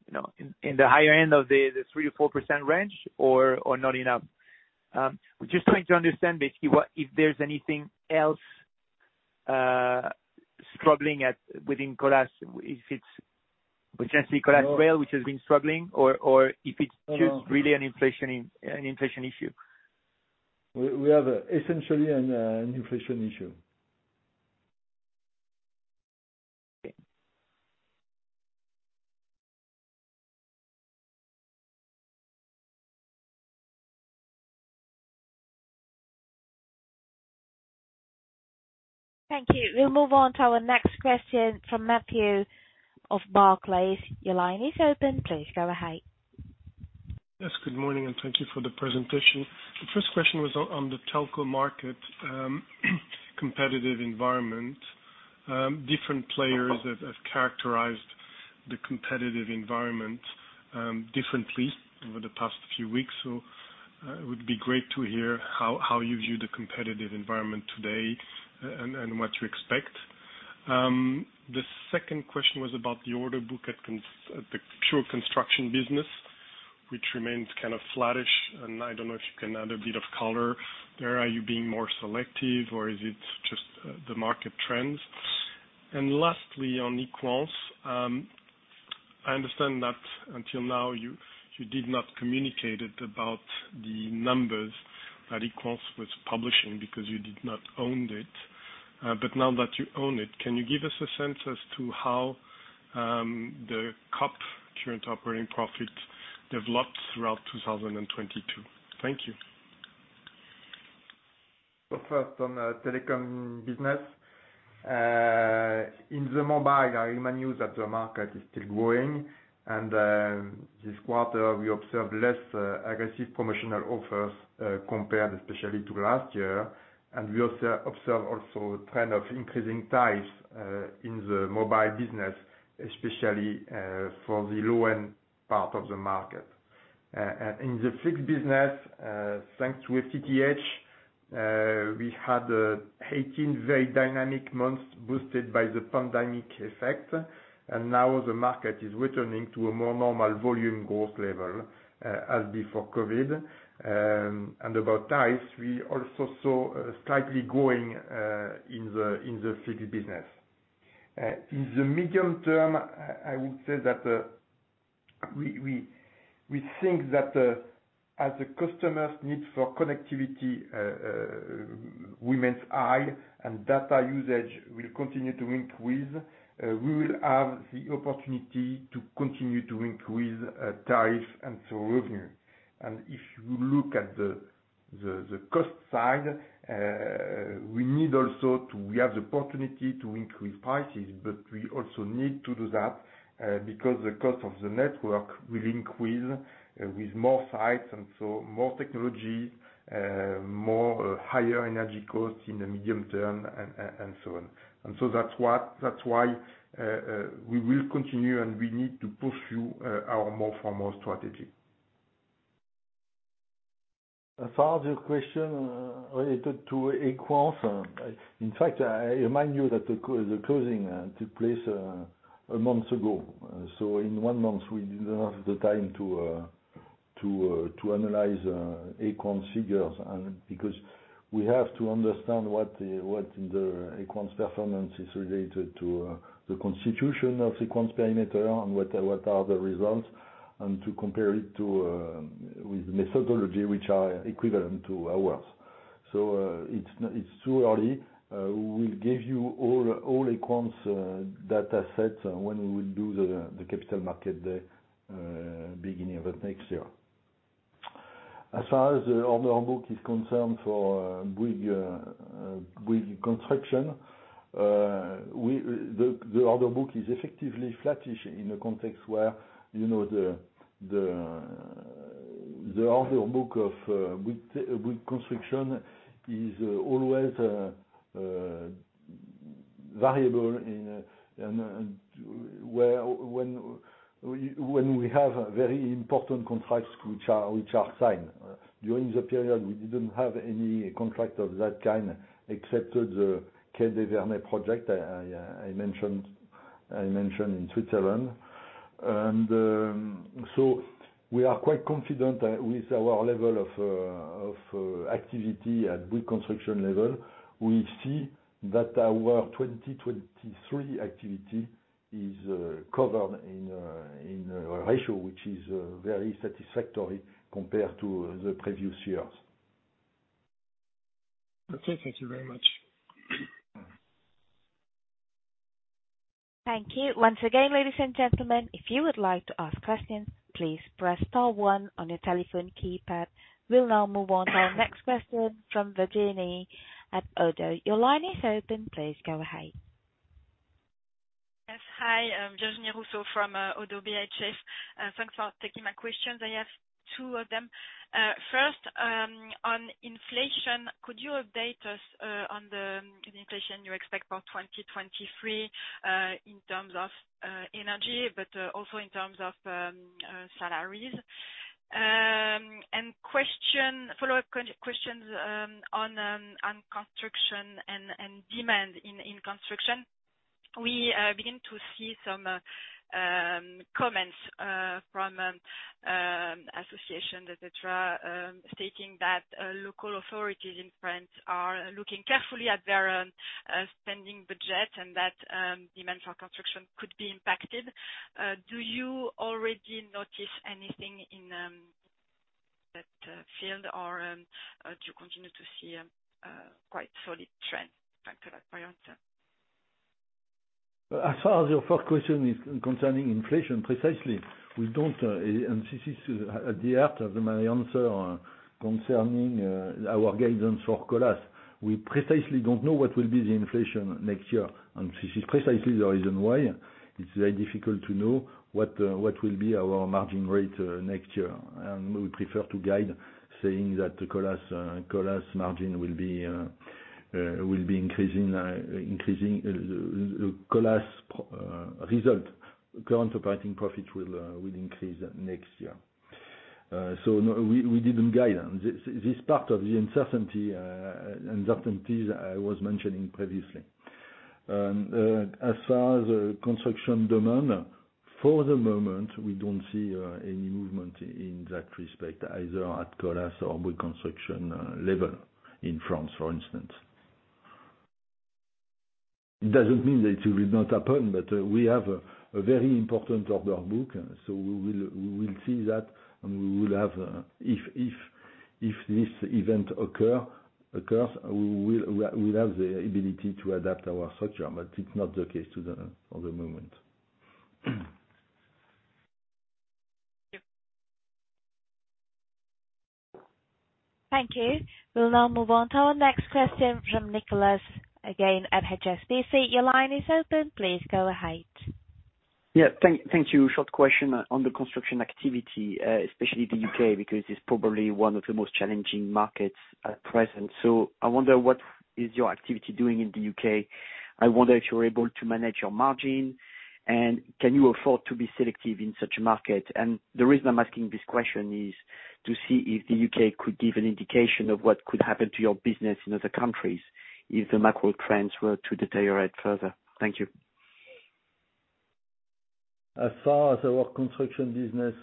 you know, in the higher end of the 3%-4% range, or not enough? We're just trying to understand basically if there's anything else struggling within Colas, if it's potentially Colas Rail which has been struggling, or if it's just really an inflation issue. We have essentially an inflation issue. Okay. Thank you. We'll move on to our next question from Matthew of Barclays. Your line is open. Please go ahead. Yes, good morning, and thank you for the presentation. The first question was on the telco market competitive environment. Different players have characterized the competitive environment differently over the past few weeks. It would be great to hear how you view the competitive environment today and what you expect. The second question was about the order book, the pure construction business, which remains kind of flattish. I don't know if you can add a bit of color there. Are you being more selective, or is it just the market trends? Lastly, on Equans, I understand that until now, you did not communicate it about the numbers that Equans was publishing because you did not owned it. Now that you own it, can you give us a sense as to how the COP, current operating profit, developed throughout 2022? Thank you. First, on the telecom business. In the mobile, I remind you that the market is still growing. This quarter, we observed less aggressive promotional offers compared especially to last year. We also observe also trend of increasing prices in the mobile business, especially for the low-end part of the market. In the fixed business, thanks to FTTH, we had 18 very dynamic months boosted by the pandemic effect. Now the market is returning to a more normal volume growth level as before COVID. About prices, we also saw slightly growing in the fixed business. In the medium term, I would say that we think that as the customers' need for connectivity remains high and data usage will continue to increase, we will have the opportunity to continue to increase tariff and so revenue. If you look at the cost side, we have the opportunity to increase prices, but we also need to do that because the cost of the net-work will increase with more sites, and so more technology, more higher energy costs in the medium term and so on. That's why we will continue, and we need to pursue our More for More strategy. As far as your question related to Equans, in fact, I remind you that the closing took place a month ago. In one month, we didn't have the time to analyze Equans' figures. Because we have to understand what the Equans' performance is related to the constitution of Equans perimeter and what are the results, and to compare it with methodology which are equivalent to ours. It's too early. We'll give you all Equans data sets when we will do the Capital Markets Day beginning of next year. As far as the order book is concerned for Bouygues Construction, the order book is effectively flattish in a context where, you know, the order book of Bouygues Construction is always variable. Where when we have very important contracts which are signed. During the period, we didn't have any contract of that kind except for the Quai des Vernets project I mentioned in Switzerland. We are quite confident with our level of activity at Bouygues Construction level. We see that our 2023 activity is covered in a ratio, which is very satisfactory compared to the previous years. Okay. Thank you very much. Thank you. Once again, ladies and gentlemen, if you would like to ask questions, please press star one on your telephone keypad. We'll now move on to our next question from Virginie at Oddo. Your line is open. Please go ahead. Yes. Hi, Virginie Rousseau from Oddo BHF. Thanks for taking my questions. I have 2 of them. First, on inflation, could you update us on the inflation you expect for 2023 in terms of energy but also in terms of salaries? Question, follow-up questions on construction and demand in construction. We begin to see some comments from associations, et cetera, stating that local authorities in France are looking carefully at their spending budget and that demand for construction could be impacted. Do you already notice anything in that field? Do you continue to see a quite solid trend? Thanks a lot for your answer. As far as your first question is concerning inflation, precisely, we don't, and this is at the heart of my answer concerning our guidance for Colas. We precisely don't know what will be the inflation next year, and this is precisely the reason why it's very difficult to know what will be our margin rate next year. We prefer to guide saying that Colas margin will be increasing Colas result, current operating profit will increase next year. No, we didn't guide on this. This is part of the uncertainties I was mentioning previously. As far as construction demand, for the moment, we don't see any movement in that respect, either at Colas or Bouygues Construction level in France, for instance. It doesn't mean that it will not happen, but we have a very important order book, so we will see that. If this event occurs, we'll have the ability to adapt our structure, but it's not the case for the moment. Thank you. Thank you. We'll now move on to our next question from Nicolas again at HSBC. Your line is open. Please go ahead. Yeah. Thank you. Short question on the construction activity, especially the U.K., because it's probably one of the most challenging markets at present. I wonder what is your activity doing in the U.K. I wonder if you're able to manage your margin, and can you afford to be selective in such a market? The reason I'm asking this question is to see if the U.K. could give an indication of what could happen to your business in other countries if the macro trends were to deteriorate further. Thank you. As far as our construction business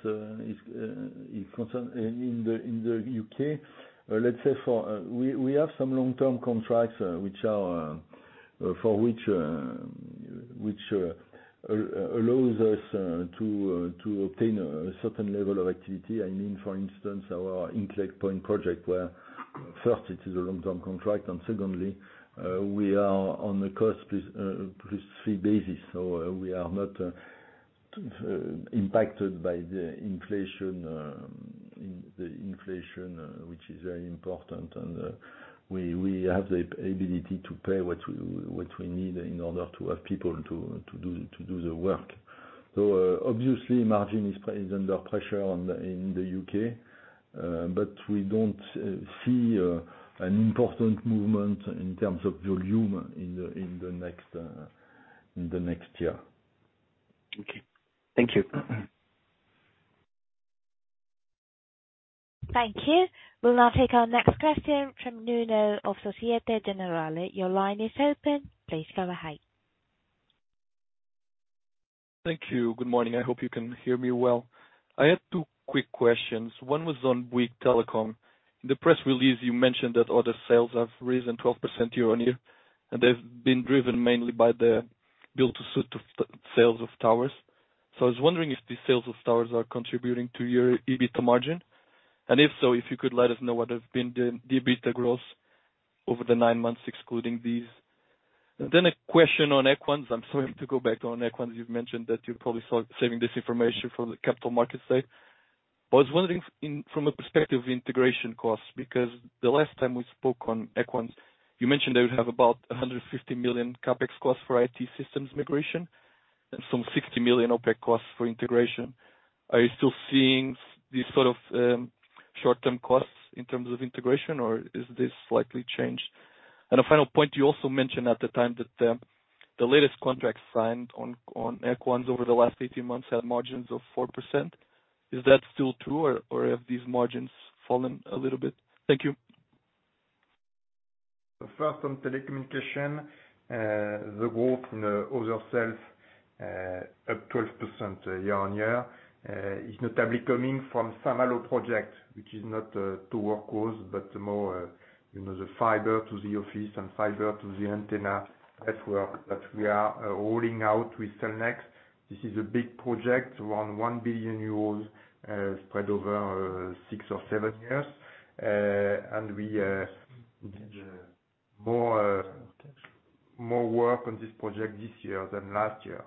is concerned in the U.K., we have some long-term contracts which allows us to obtain a certain level of activity. I mean, for instance, our Hinkley Point project, where first it is a long-term contract, and secondly, we are on a cost plus fee basis, so we are not impacted by the inflation, which is very important. We have the ability to pay what we need in order to have people to do the work. Obviously margin is under pressure in the U.K., but we don't see an important movement in terms of volume in the next year. Okay. Thank you. Thank you. We'll now take our next question from Nuno of Société Générale. Your line is open. Please go ahead. Thank you. Good morning. I hope you can hear me well. I had 2 quick questions. One was on Bouygues Telecom. In the press release, you mentioned that other sales have risen 12% year-over-year, and they've been driven mainly by the build-to-suit of sales of towers. I was wondering if the sales of towers are contributing to your EBITDA margin, and if so, if you could let us know what has been the EBITDA growth over the 9 months, excluding these. A question on Equans. I'm sorry to go back on Equans. You've mentioned that you're probably saving this information for the capital markets side. I was wondering from a perspective integration cost, because the last time we spoke on Equans, you mentioned that you would have about 150 million CapEx costs for I.T. systems migration and some 60 million OpEx costs for integration. Are you still seeing these sort of short-term costs in terms of integration, or is this slightly changed? A final point, you also mentioned at the time that the latest contract signed on Equans over the last 18 months had margins of 4%. Is that still true or have these margins fallen a little bit? Thank you. First on telecommunication, uh, the growth in the other sales, uh, up twelve percent year on year, uh, is notably coming from Samalo project, which is not, uh, to work with but more, you know, the fiber to the office and fiber to the antenna net-work that we are rolling out with Cellnex. This is a big project, around one billion euros, uh, spread over 6 or 7 years. Uh, and we, uh, more, uh, more work on this project this year than last year.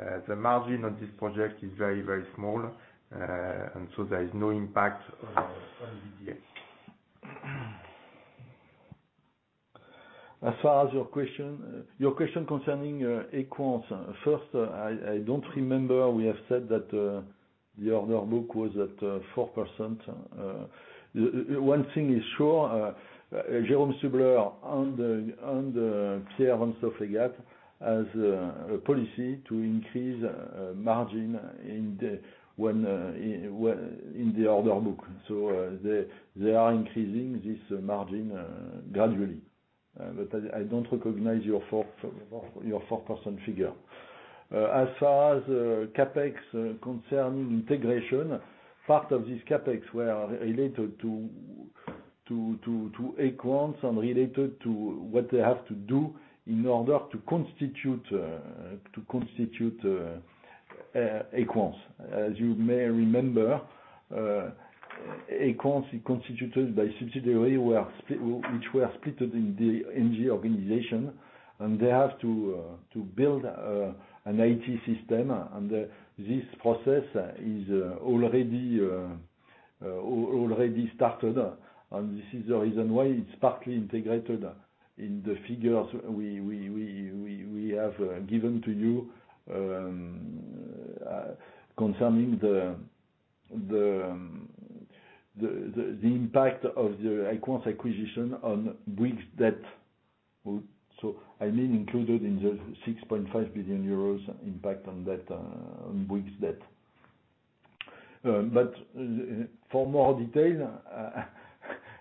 Uh, the margin on this project is very, very small. Uh, and so there is no impact on the year. As far as your question, your question concerning, uh, Equans. First, I don't remember we have said that the order book was at 4%. One thing is sure, Jérôme Stubler and Pierre Vanstoflegatte has a policy to increase margin in the order book. They are increasing this margin gradually. I don't recognize your 4% figure. As far as CapEx concerning integration, part of this CapEx were related to Equans and related to what they have to do in order to constitute Equans. As you may remember, Equans is constituted by subsidiary which were splitted in the Engie organization, and they have to build an IT system. This process is already started, and this is the reason why it's partly integrated in the figures we have given to you concerning the impact of the Equans acquisition on Bouygues' debt. I mean, included in the 6.5 billion euros impact on Bouygues' debt. For more detail,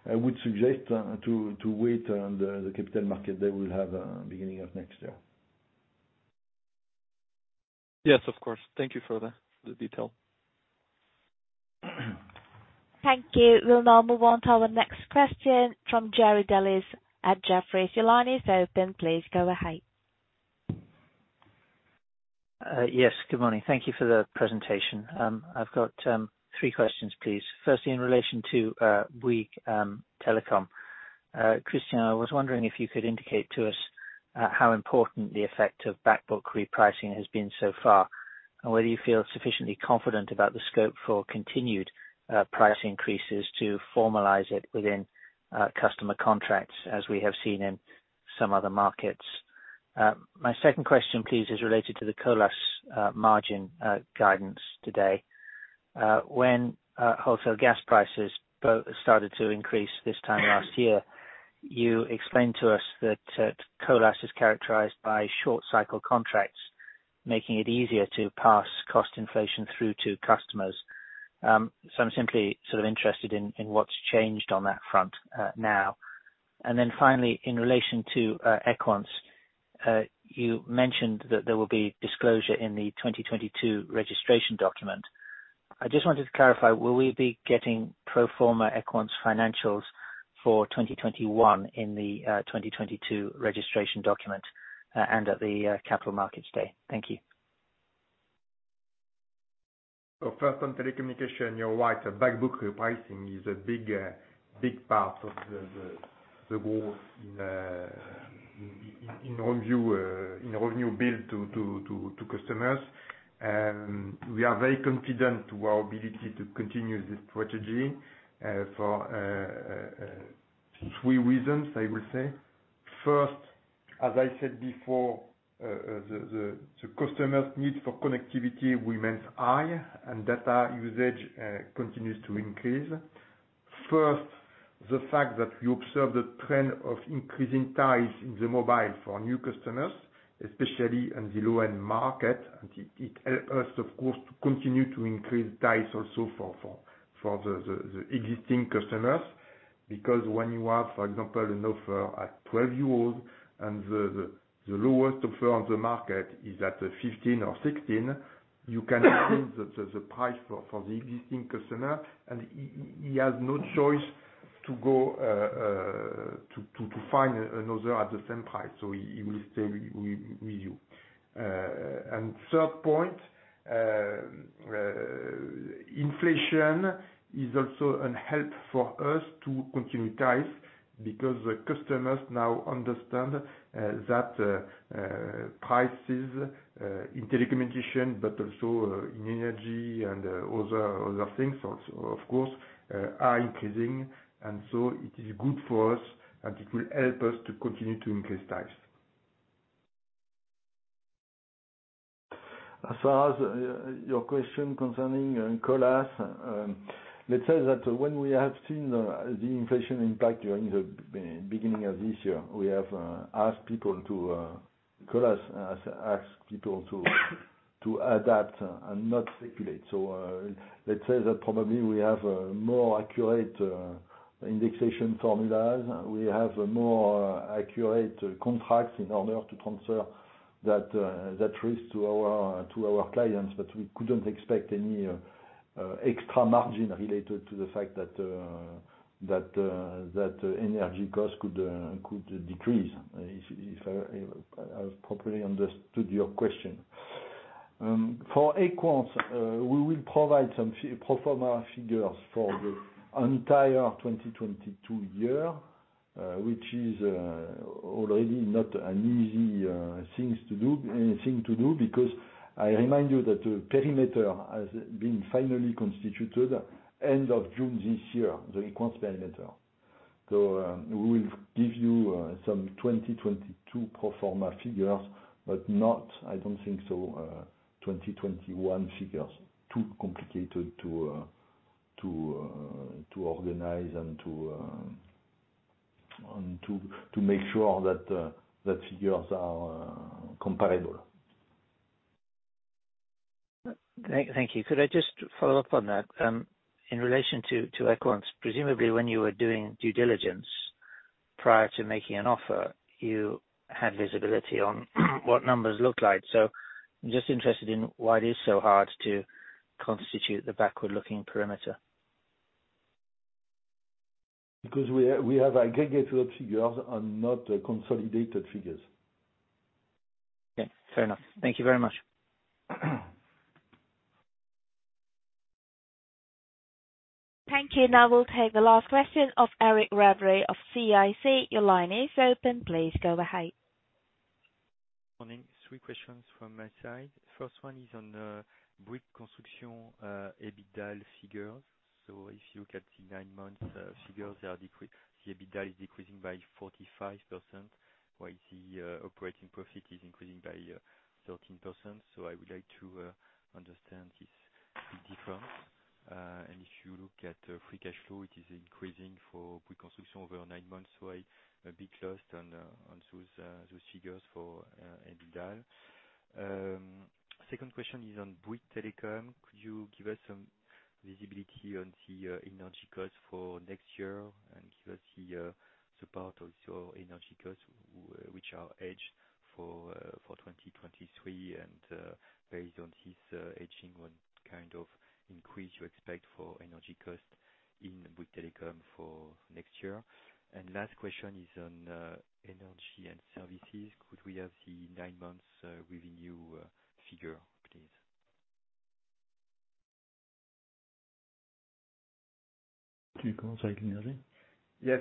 I would suggest to wait on the Capital Market Day we'll have beginning of next year. Yes, of course. Thank you for the detail. Thank you. We'll now move on to our next question from Gerry Delis at Jefferies. Your line is open. Please go ahead. Yes, good morning. Thank you for the presentation. I've got 3 questions, please. Firstly, in relation to Bouygues Telecom, Christian, I was wondering if you could indicate to us how important the effect of back book repricing has been so far, and whether you feel sufficiently confident about the scope for continued price increases to formalize it within customer contracts, as we have seen in some other markets. My second question, please, is related to the Colas margin guidance today. When wholesale gas prices started to increase this time last year, you explained to us that Colas is characterized by short cycle contracts, making it easier to pass cost inflation through to customers. I'm simply sort of interested in what's changed on that front now. Finally, in relation to Equans, you mentioned that there will be disclosure in the 2022 registration document. I just wanted to clarify. Will we be getting pro forma Equans financials for 2021 in the 2022 registration document and at the Capital Markets Day? Thank you. First on telecommunication, you're right. Back book repricing is a big part of the growth in revenue billed to customers. We are very confident to our ability to continue this strategy for 3 reasons, I will say. First, as I said before, the customer's need for connectivity remains high and data usage continues to increase. First, the fact that we observe the trend of increasing prices in the mobile for new customers, especially in the low-end market, it help us, of course, to continue to increase prices also for the existing customers. When you have, for example, an offer at 12 euros and the lowest offer on the market is at 15 or 16, you can increase the price for the existing customer, and he has no choice to go to find another at the same price. We'll stay with you. Third point, inflation is also a help for us to continue price hikes because the customers now understand that prices in telecommunication, but also in energy and other things also, of course, are increasing. It is good for us, and it will help us to continue to increase price hikes. As far as your question concerning Colas, let's say that when we have seen the inflation impact during the beginning of this year, Colas has asked people to adapt and not speculate. Let's say that probably we have more accurate indexation formulas. We have more accurate contracts in order to transfer that risk to our clients. We couldn't expect any extra margin related to the fact that energy costs could decrease, if I have properly understood your question. For Equans, we will provide some pro forma figures for the entire 2022 year, which is already not an easy thing to do, because I remind you that the perimeter has been finally constituted end of June this year, the Equans perimeter. We will give you some 2022 pro forma figures, but not, I don't think so, 2021 figures. Too complicated to organize and to make sure that figures are comparable. Thank you. Could I just follow up on that? In relation to Equans, presumably when you were doing due diligence prior to making an offer, you had visibility on what numbers look like. Just interested in why it is so hard to constitute the backward-looking perimeter. Because we have aggregated figures and not consolidated figures. Okay, fair enough. Thank you very much. Thank you. Now we'll take the last question of Eric Lemarié of CIC. Your line is open. Please go ahead. Morning. 3 questions from my side. First one is on the Bouygues Construction EBITDA figures. If you look at the 9-month figures, the EBITDA is decreasing by 45%, while the operating profit is increasing by 13%. I would like to understand this big difference. If you look at free cash flow, it is increasing for Bouygues Construction over 9 months, so I'm a bit lost on those figures for EBITDA. Second question is on Bouygues Telecom. Could you give us some visibility on the energy costs for next year and give us the support of your energy costs which are hedged for 2023? Based on this hedging, what kind of increase you expect for energy costs in Bouygues Telecom for next year? Last question is on Energies & Services. Could we have the 9 months revenue figure, please? Can you comment on energy? Yes.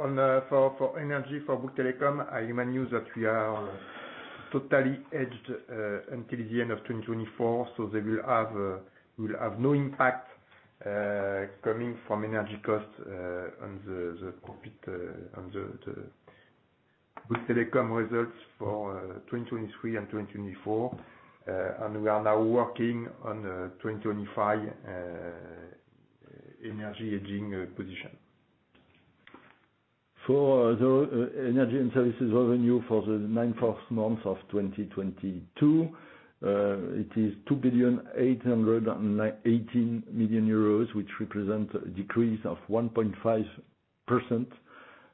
On for energy for Bouygues Telecom, I remind you that we are totally hedged until the end of 2024. They will have no impact coming from energy costs on the profit on the Bouygues Telecom results for 2023 and 2024. We are now working on 2025 energy hedging position. For the Energy & Services revenue for the 9 first months of 2022, it is 2,818 million euros, which represent a decrease of 1.5%.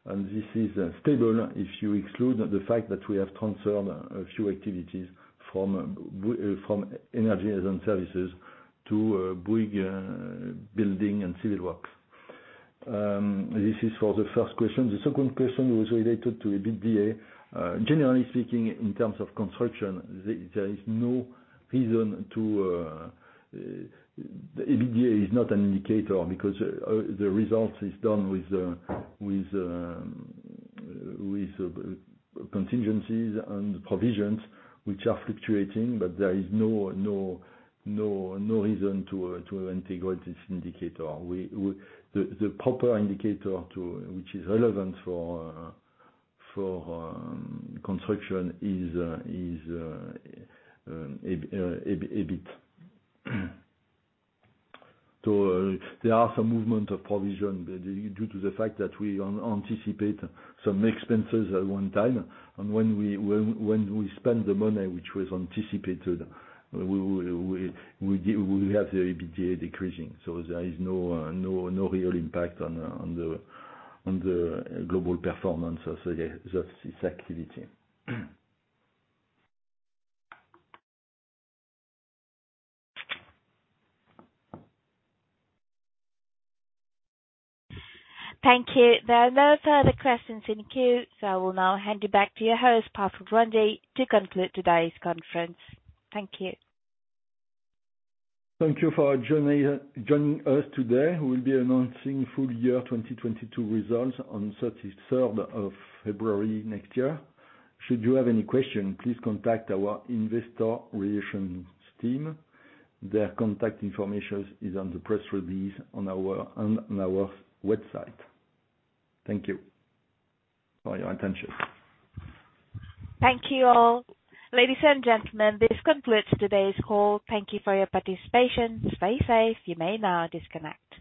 This is stable if you exclude the fact that we have transferred a few activities from Energy & Services to Bouygues Building and Civil Works. This is for the first question. The second question was related to EBITDA. Generally speaking, in terms of construction, EBITDA is not an indicator because the results is done with contingencies and provisions which are fluctuating, but there is no reason to integrate this indicator. The proper indicator which is relevant for construction is EBIT. There are some movement of provision due to the fact that we anticipate some expenses at one time. When we spend the money which was anticipated, we have the EBITDA decreasing. There is no real impact on the global performance of this activity. Thank you. There are no further questions in the queue, so I will now hand it back to your Host, Pascal Grangé, to conclude today's conference. Thank you. Thank you for joining us today. We'll be announcing full year 2022 results on 33rd of February next year. Should you have any question, please contact our Investor Relations team. Their contact information is on the press release on our website. Thank you for your attention. Thank you all. Ladies and gentlemen, this concludes today's call. Thank you for your participation. Stay safe. You may now disconnect.